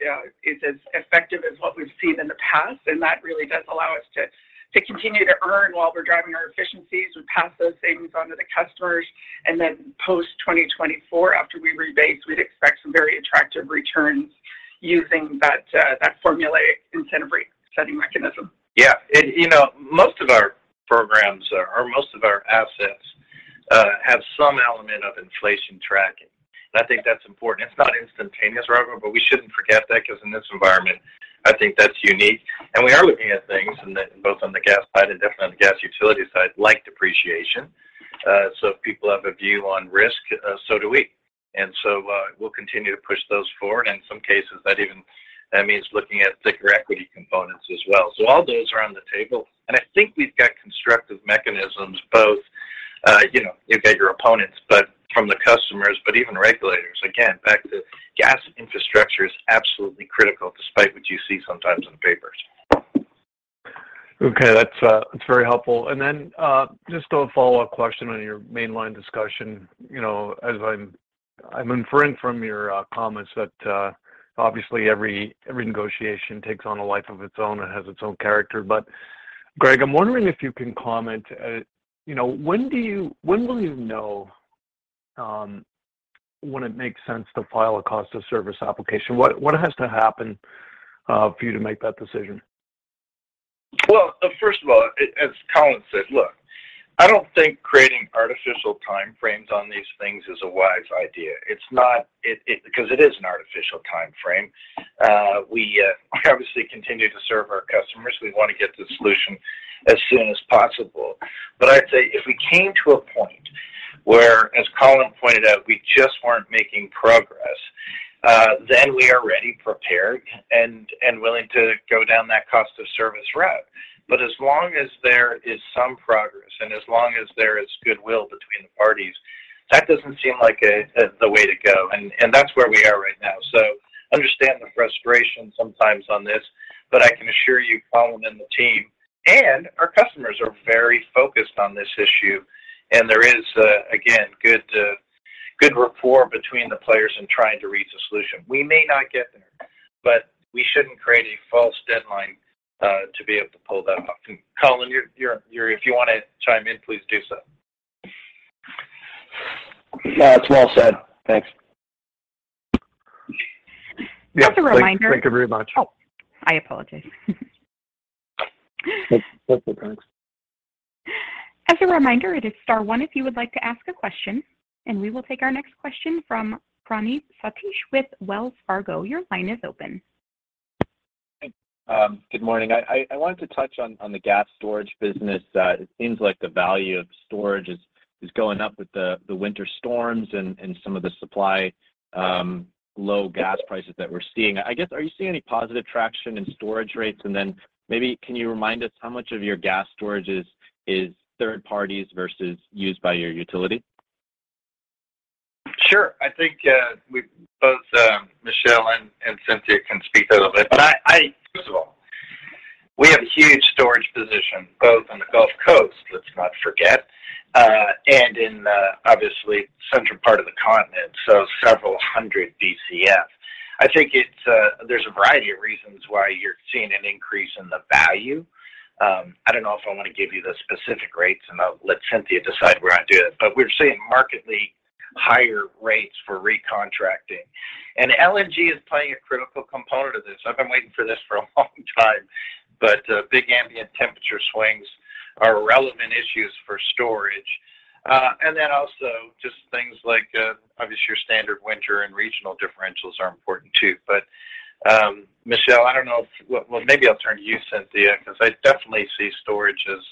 is as effective as what we've seen in the past. That really does allow us to continue to earn while we're driving our efficiencies. We pass those savings onto the customers. post-2024, after we rebase, we'd expect some very attractive returns using that formulaic incentive rate-setting mechanism. Yeah. You know, most of our programs or most of our assets have some element of inflation tracking, and I think that's important. It's not instantaneous, Robert, but we shouldn't forget that 'cause in this environment I think that's unique. We are looking at things, and then both on the gas side and definitely on the gas utility side, like depreciation. If people have a view on risk, so do we. We'll continue to push those forward, and in some cases, that means looking at thicker equity components as well. All those are on the table. I think we've got constructive mechanisms, both, you know, you've got your opponents, but from the customers, but even regulators. Again, back to gas infrastructure is absolutely critical despite what you see sometimes in the papers. Okay. That's very helpful. Then, just a follow-up question on your Mainline discussion. You know, as I'm inferring from your comments that obviously every negotiation takes on a life of its own and has its own character. Greg, I'm wondering if you can comment, you know, when will you know, when it makes sense to file a cost of service application? What has to happen for you to make that decision? Well, first of all, as Colin said, look, I don't think creating artificial time frames on these things is a wise idea. It's not because it is an artificial time frame. We obviously continue to serve our customers. We want to get the solution as soon as possible. I'd say if we came to a point where, as Colin pointed out, we just weren't making progress, then we are ready, prepared, and willing to go down that cost of service route. As long as there is some progress and as long as there is goodwill between the parties, that doesn't seem like the way to go. That's where we are right now. Understand the frustration sometimes on this, but I can assure you, Colin and the team and our customers are very focused on this issue, and there is again good rapport between the players in trying to reach a solution. We may not get there, but we shouldn't create a false deadline to be able to pull that off. Colin, you're if you wanna chime in, please do so. No, it's well said. Thanks. As a reminder. Yes. Thank you very much. Oh, I apologize. That's okay. Thanks. As a reminder, it is star one if you would like to ask a question. We will take our next question from Praneeth Satish with Wells Fargo. Your line is open. Thanks. Good morning. I wanted to touch on the gas storage business. It seems like the value of storage is going up with the winter storms and some of the supply low gas prices that we're seeing. I guess, are you seeing any positive traction in storage rates? Then maybe can you remind us how much of your gas storage is third parties versus used by your utility? Sure. I think both Michele and Cynthia can speak a little bit. First of all, we have a huge storage position both on the Gulf Coast, let's not forget, and in the, obviously, central part of the continent, so several hundred BCF. I think there's a variety of reasons why you're seeing an increase in the value. I don't know if I wanna give you the specific rates, and I'll let Cynthia decide where I do that. We're seeing markedly higher rates for recontracting. LNG is playing a critical component of this. I've been waiting for this for a long time, but big ambient temperature swings are relevant issues for storage. Then also just things like, obviously your standard winter and regional differentials are important too. Michele, Well, maybe I'll turn to you, Cynthia, 'cause I definitely see storage as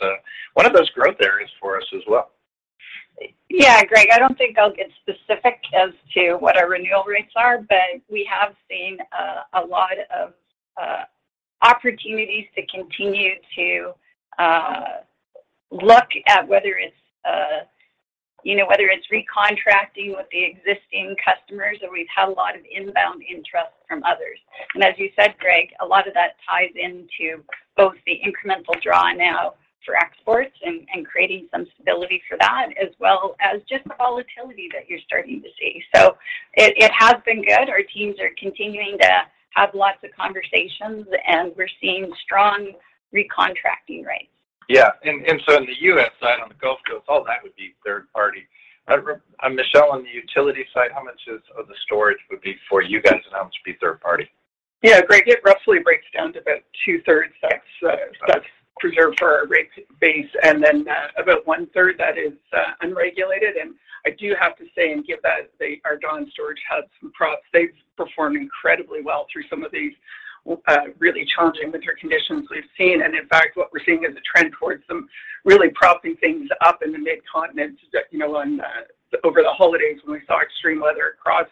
one of those growth areas for us as well. Yeah, Greg. I don't think I'll get specific as to what our renewal rates are, but we have seen a lot of opportunities to continue to look at whether it's, you know, whether it's recontracting with the existing customers or we've had a lot of inbound interest from others. As you said, Greg, a lot of that ties into both the incremental draw now for exports and creating some stability for that as well as just the volatility that you're starting to see. It has been good. Our teams are continuing to have lots of conversations, and we're seeing strong recontracting rates. Yeah. On the U.S. side, on the Gulf Coast, all that would be third party. Michele, on the utility side, how much is of the storage would be for you guys and how much would be third party? Greg, it roughly breaks down to about two-thirds that's that's preserved for our rate base, and then about one-third that is unregulated. I do have to say and give that our Dawn storage had some props. They've performed incredibly well through some of these really challenging winter conditions we've seen. In fact, what we're seeing is a trend towards them really propping things up in the mid-continent that, you know, on over the holidays when we saw extreme weather across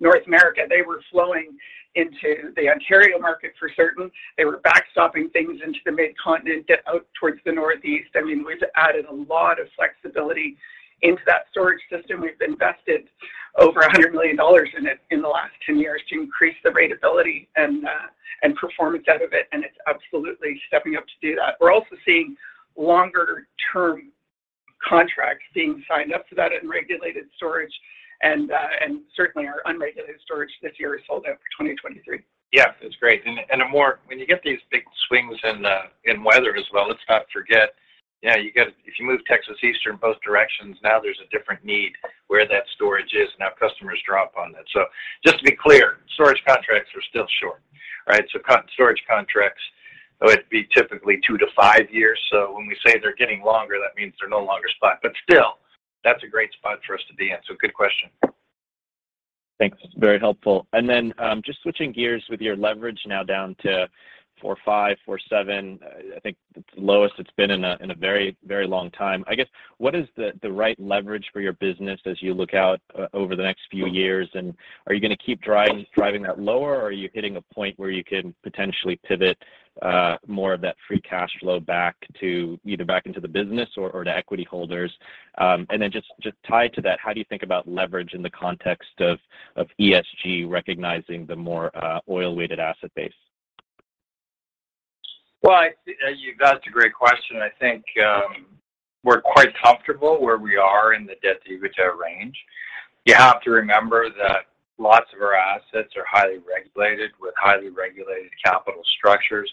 North America, they were flowing into the Ontario market for certain. They were backstopping things into the mid-continent out towards the northeast. I mean, we've added a lot of flexibility into that storage system. We've invested over $100 million in it in the last 10 years to increase the ratability and performance out of it. It's absolutely stepping up to do that. We're also seeing longer-term contracts being signed up to that in regulated storage and certainly our unregulated storage this year is sold out for 2023. Yeah, it's great. When you get these big swings in weather as well, let's not forget. If you move Texas Eastern both directions, now there's a different need where that storage is. Now customers draw up on that. Just to be clear, storage contracts are still short, right? Storage contracts would be typically 2 to 5 years. When we say they're getting longer, that means they're no longer spot. Still, that's a great spot for us to be in. Good question. Thanks. Very helpful. Then just switching gears with your leverage now down to 4.5-4.7, I think the lowest it's been in a very, very long time. I guess, what is the right leverage for your business as you look out over the next few years, and are you gonna keep driving that lower, or are you hitting a point where you can potentially pivot more of that free cash flow back to either into the business or to equity holders? Then just tied to that, how do you think about leverage in the context of ESG recognizing the more oil-weighted asset base? Well, That's a great question. I think we're quite comfortable where we are in the debt-to-EBITDA range. You have to remember that lots of our assets are highly regulated with highly regulated capital structures.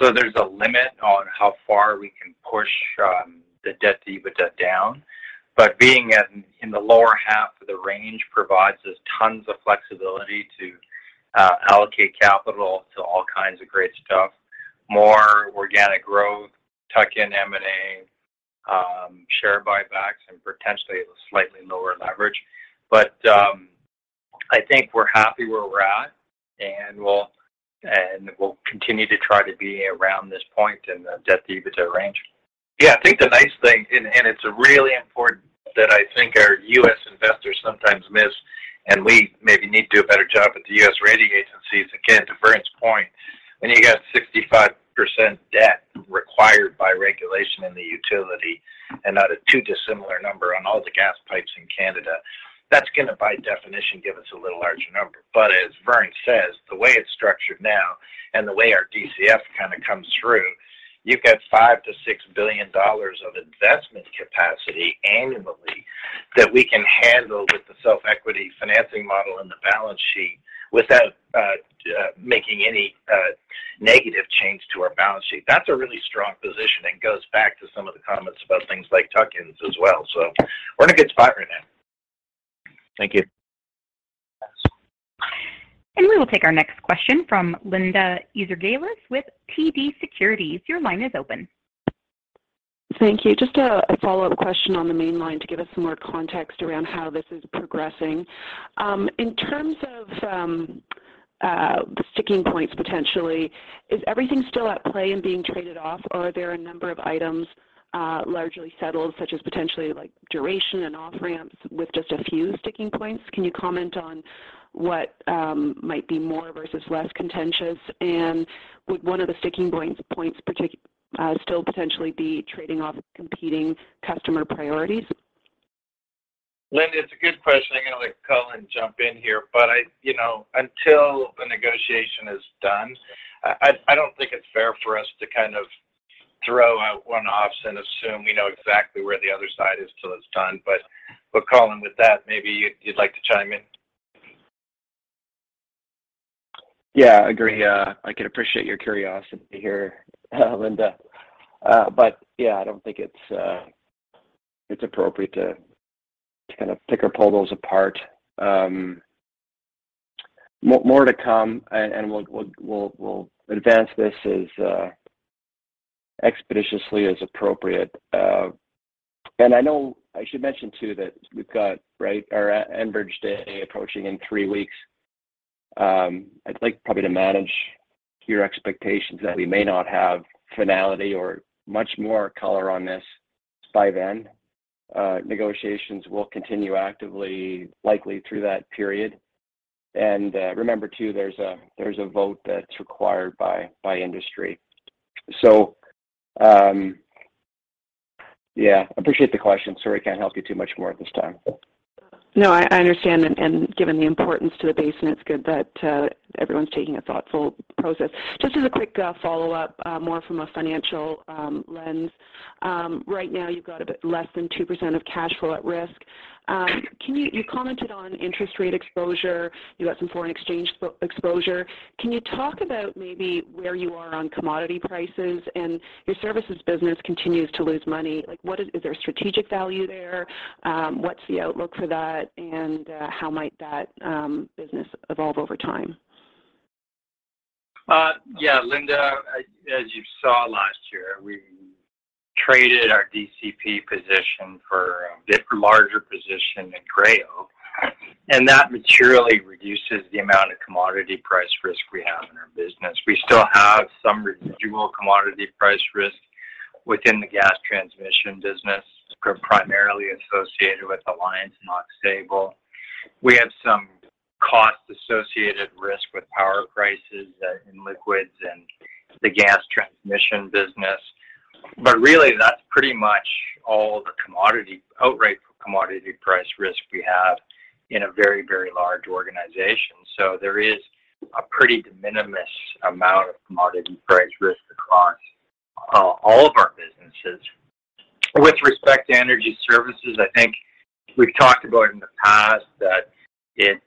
There's a limit on how far we can push the debt-to-EBITDA down. Being at, in the lower half of the range provides us tons of flexibility to allocate capital to all kinds of great stuff, more organic growth, tuck-in M&A, share buybacks, and potentially slightly lower leverage. I think we're happy where we're at, and we'll continue to try to be around this point in the debt-to-EBITDA range. I think the nice thing, and it's really important that I think our U.S. investors sometimes miss, and we maybe need to do a better job with the U.S. rating agencies. Again, to Vern's point, when you got 65% debt required by regulation in the utility and not a too dissimilar number on all the gas pipes in Canada, that's gonna, by definition, give us a little larger number. As Vern says, the way it's structured now and the way our DCF kinda comes through, you've got 5 billion-6 billion dollars of investment capacity annually that we can handle with the self-equity financing model and the balance sheet without making any negative change to our balance sheet. That's a really strong position and goes back to some of the comments about things like tuck-ins as well. We're in a good spot right now. Thank you. We will take our next question from Linda Ezergailis with TD Securities. Your line is open. Thank you. Just a follow-up question on the Mainline to give us some more context around how this is progressing. In terms of the sticking points potentially, is everything still at play and being traded off, or are there a number of items largely settled, such as potentially, like, duration and off-ramps with just a few sticking points? Can you comment on what might be more versus less contentious? Would one of the sticking points still potentially be trading off competing customer priorities? Linda, it's a good question. I'm gonna let Colin jump in here. You know, until the negotiation is done, I don't think it's fair for us to kind of throw out one-offs and assume we know exactly where the other side is till it's done. Colin, with that, maybe you'd like to chime in. Yeah, I agree. I can appreciate your curiosity here, Linda. Yeah, I don't think it's appropriate to kind of pick or pull those apart. More to come and we'll advance this as expeditiously as appropriate. I know I should mention too that we've got, right, our Enbridge Day approaching in three weeks. I'd like probably to manage your expectations that we may not have finality or much more color on this by then. Negotiations will continue actively, likely through that period. Remember too, there's a vote that's required by industry. Yeah, appreciate the question. Sorry, can't help you too much more at this time. No, I understand and given the importance to the basin, it's good that everyone's taking a thoughtful process. Just as a quick follow-up, more from a financial lens. Right now you've got a bit less than 2% of cash flow at risk. Can you commented on interest rate exposure. You've got some foreign exchange exposure. Can you talk about maybe where you are on commodity prices? Your services business continues to lose money, like, Is there strategic value there? What's the outlook for that? How might that business evolve over time? Yeah. Linda, as you saw last year. Traded our DCP position for a bit larger position in Gray Oak, that materially reduces the amount of commodity price risk we have in our business. We still have some residual commodity price risk within the gas transmission business, primarily associated with Alliance and Aux Sable. We have some cost-associated risk with power prices in liquids and the gas transmission business. Really, that's pretty much all the outright commodity price risk we have in a very, very large organization. There is a pretty de minimis amount of commodity price risk across all of our businesses. With respect to energy services, I think we've talked about in the past that it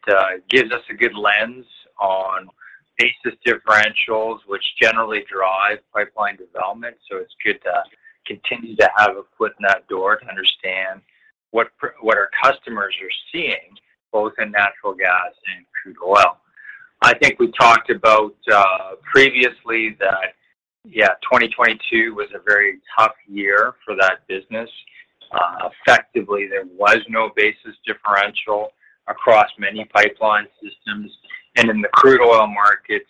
gives us a good lens on basis differentials, which generally drive pipeline development. It's good to continue to have a foot in that door to understand what our customers are seeing, both in natural gas and crude oil. I think we talked about previously that 2022 was a very tough year for that business. Effectively, there was no basis differential across many pipeline systems. In the crude oil markets,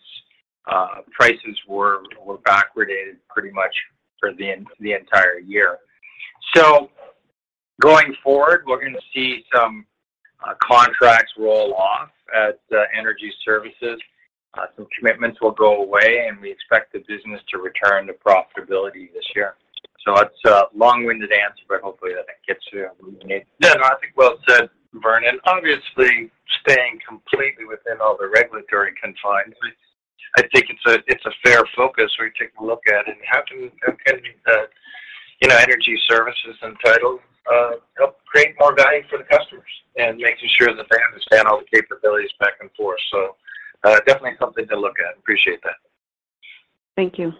prices were backwardated pretty much for the entire year. Going forward, we're gonna see some contracts roll off at energy services. Some commitments will go away, and we expect the business to return to profitability this year. That's a long-winded answer, but hopefully that gets you what you need. No. I think well said, Vernon. Obviously, staying completely within all the regulatory confines, I think it's a, it's a fair focus where you take a look at it. How can you know, energy services and title help create more value for the customers? Making sure that they understand all the capabilities back and forth. Definitely something to look at. Appreciate that. Thank you.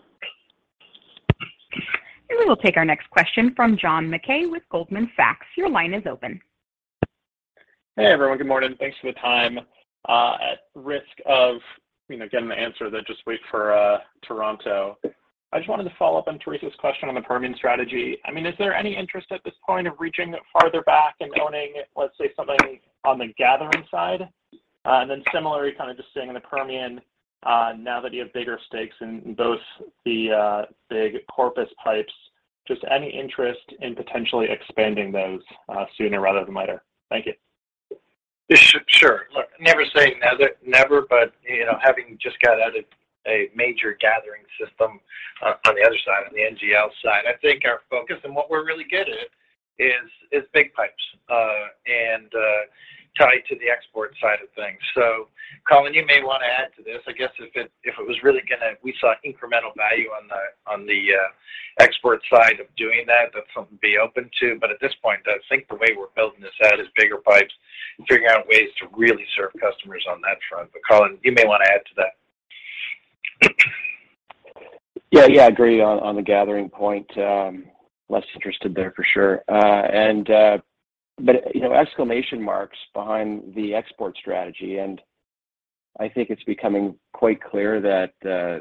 We will take our next question from John Mackay with Goldman Sachs. Your line is open. Hey, everyone. Good morning. Thanks for the time. At risk of, you know, getting the answer that just wait for, Toronto, I just wanted to follow up on Theresa's question on the Permian strategy. I mean, is there any interest at this point of reaching farther back and owning, let's say, something on the gathering side? Then similarly, kind of just staying in the Permian, now that you have bigger stakes in both the, big Corpus pipes, just any interest in potentially expanding those, sooner rather than later? Thank you. Sure. Sure. Look, never say never, but, you know, having just got out of a major gathering system on the other side, on the NGL side, I think our focus and what we're really good at is big pipes, and tied to the export side of things. Colin, you may wanna add to this. I guess if it was really we saw incremental value on the export side of doing that's something to be open to. At this point, I think the way we're building this out is bigger pipes, figuring out ways to really serve customers on that front. Colin, you may wanna add to that. Yeah. Yeah. I agree on the gathering point. Less interested there for sure. You know, exclamation marks behind the export strategy. I think it's becoming quite clear that,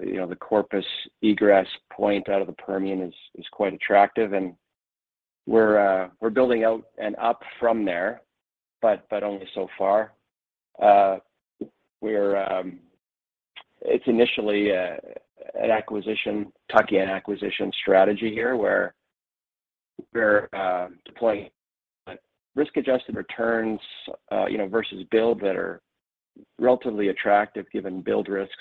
you know, the Corpus egress point out of the Permian is quite attractive, and we're building out and up from there, but only so far. It's initially an acquisition, talking an acquisition strategy here, where we're, deploying risk-adjusted returns, you know, versus build that are relatively attractive given build risks.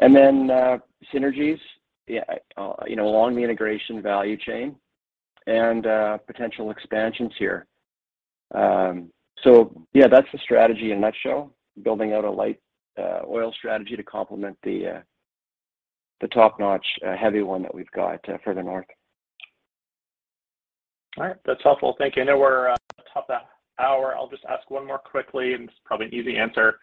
Synergies, you know, along the integration value chain and, potential expansions here. Yeah, that's the strategy in a nutshell, building out a light, oil strategy to complement the top-notch, heavy one that we've got, further north. All right. That's helpful. Thank you. I know we're top of the hour. I'll just ask one more quickly. This is probably an easy answer.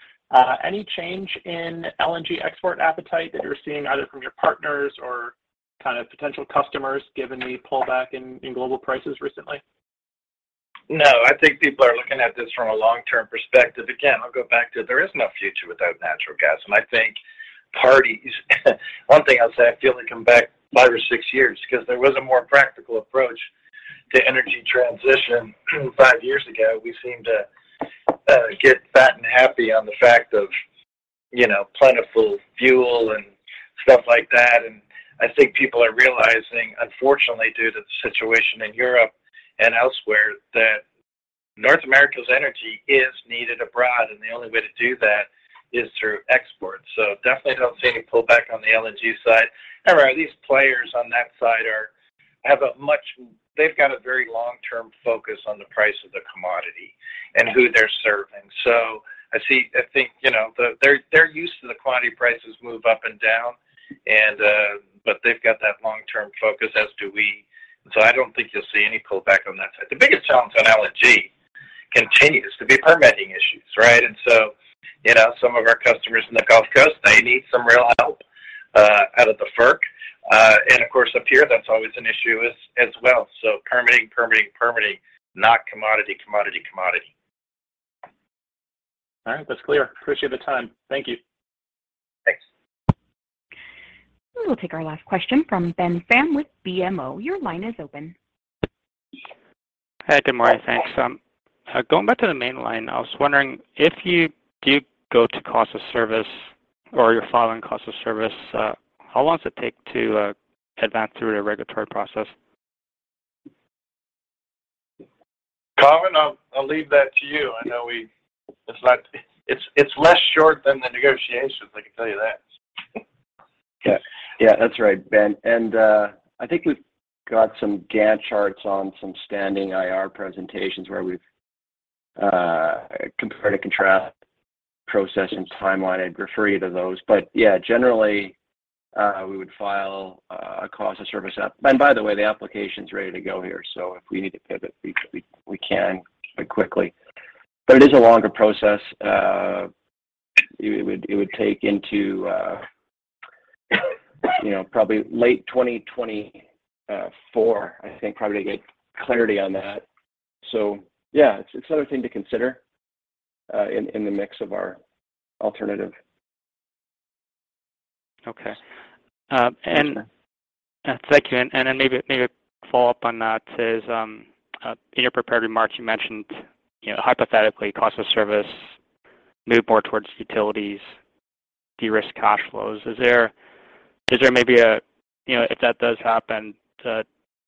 Any change in LNG export appetite that you're seeing either from your partners or kind of potential customers given the pullback in global prices recently? No. I think people are looking at this from a long-term perspective. Again, I'll go back to there is no future without natural gas. I think parties. One thing I'll say, I feel they come back five or six years because there was a more practical approach to energy transition five years ago. We seem to get fat and happy on the fact of, you know, plentiful fuel and stuff like that. I think people are realizing, unfortunately, due to the situation in Europe and elsewhere, that North America's energy is needed abroad, and the only way to do that is through exports. Definitely don't see any pullback on the LNG side. However, these players on that side have a very long-term focus on the price of the commodity and who they're serving. I think, you know, they're used to the quantity prices move up and down and, but they've got that long-term focus, as do we. I don't think you'll see any pullback on that side. The biggest challenge on LNG continues to be permitting issues, right? You know, some of our customers in the Gulf Coast, they need some real help out of the FERC. Of course, up here, that's always an issue as well. Permitting, permitting, not commodity, commodity. All right, that's clear. Appreciate the time. Thank you. Thanks. We'll take our last question from Ben Pham with BMO. Your line is open. Hi. Good morning. Thanks. Going back to the Mainline, I was wondering if you do go to cost of service or you're following cost of service, how long does it take to advance through the regulatory process? Colin, I'll leave that to you. I know it's less short than the negotiations, I can tell you that. Yeah, yeah. That's right, Ben. I think we've got some Gantt charts on some standing IR presentations where we've compared and contrasted process and timeline. I'd refer you to those. Yeah, generally, we would file a cost of service. By the way, the application's ready to go here. If we need to pivot, we can quite quickly. It is a longer process. It would take into, you know, probably late 2024, I think, probably to get clarity on that. Yeah, it's another thing to consider in the mix of our alternative. Okay. Thank you. Then maybe a follow-up on that is, in your prepared remarks, you mentioned, you know, hypothetically, cost of service move more towards utilities, de-risk cash flows. Is there maybe a, you know, if that does happen, do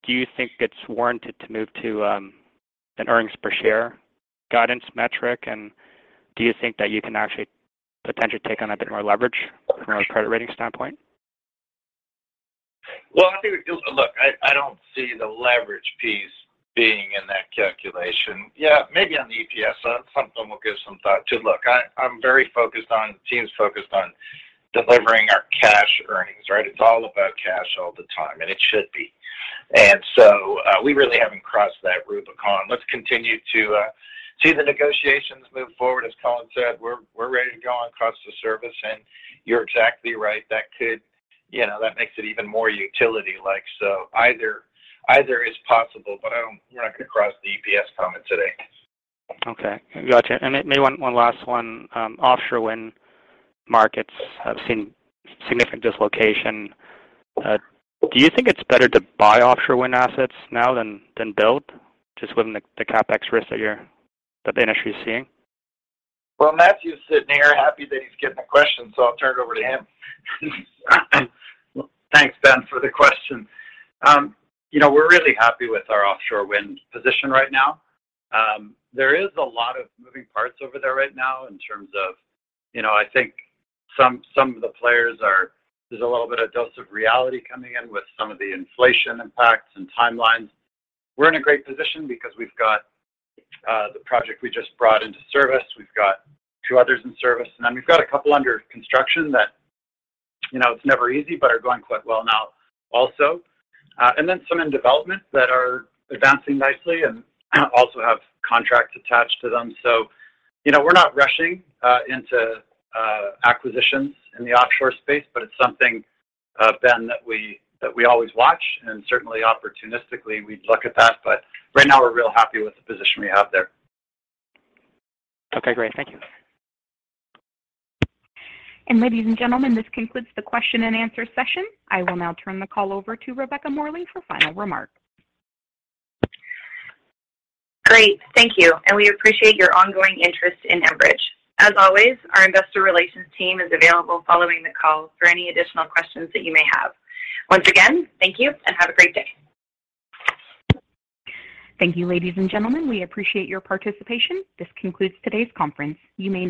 you think it's warranted to move to an earnings per share guidance metric? Do you think that you can actually potentially take on a bit more leverage from a credit rating standpoint? Well, Look, I don't see the leverage piece being in that calculation. Yeah, maybe on the EPS, something we'll give some thought to. Look, I'm very focused on, the team's focused on delivering our cash earnings, right? It's all about cash all the time, and it should be. We really haven't crossed that Rubicon. Let's continue to see the negotiations move forward. As Colin said, we're ready to go on cost of service. You're exactly right. That could, you know, that makes it even more utility-like. Either, either is possible, but I don't reckon cross the EPS comment today. Okay. Gotcha. Maybe one last one. Offshore wind markets have seen significant dislocation. Do you think it's better to buy offshore wind assets now than build, just within the CapEx risk that the industry is seeing? Well, Matthew's sitting here happy that he's getting a question, so I'll turn it over to him. Thanks, Ben, for the question. You know, we're really happy with our offshore wind position right now. There is a lot of moving parts over there right now in terms of, you know, I think some. There's a little bit of dose of reality coming in with some of the inflation impacts and timelines. We're in a great position because we've got the project we just brought into service. We've got two others in service, and then we've got a couple under construction that, you know, it's never easy, but are going quite well now also. Some in development that are advancing nicely and also have contracts attached to them. You know, we're not rushing into acquisitions in the offshore space, but it's something, Ben, that we always watch, and certainly opportunistically, we'd look at that. Right now we're real happy with the position we have there. Okay, great. Thank you. Ladies and gentlemen, this concludes the question and answer session. I will now turn the call over to Rebecca Morley for final remarks. Great. Thank you. We appreciate your ongoing interest in Enbridge. As always, our investor relations team is available following the call for any additional questions that you may have. Once again, thank you, and have a great day. Thank you, ladies and gentlemen. We appreciate your participation. This concludes today's conference. You may now disconnect.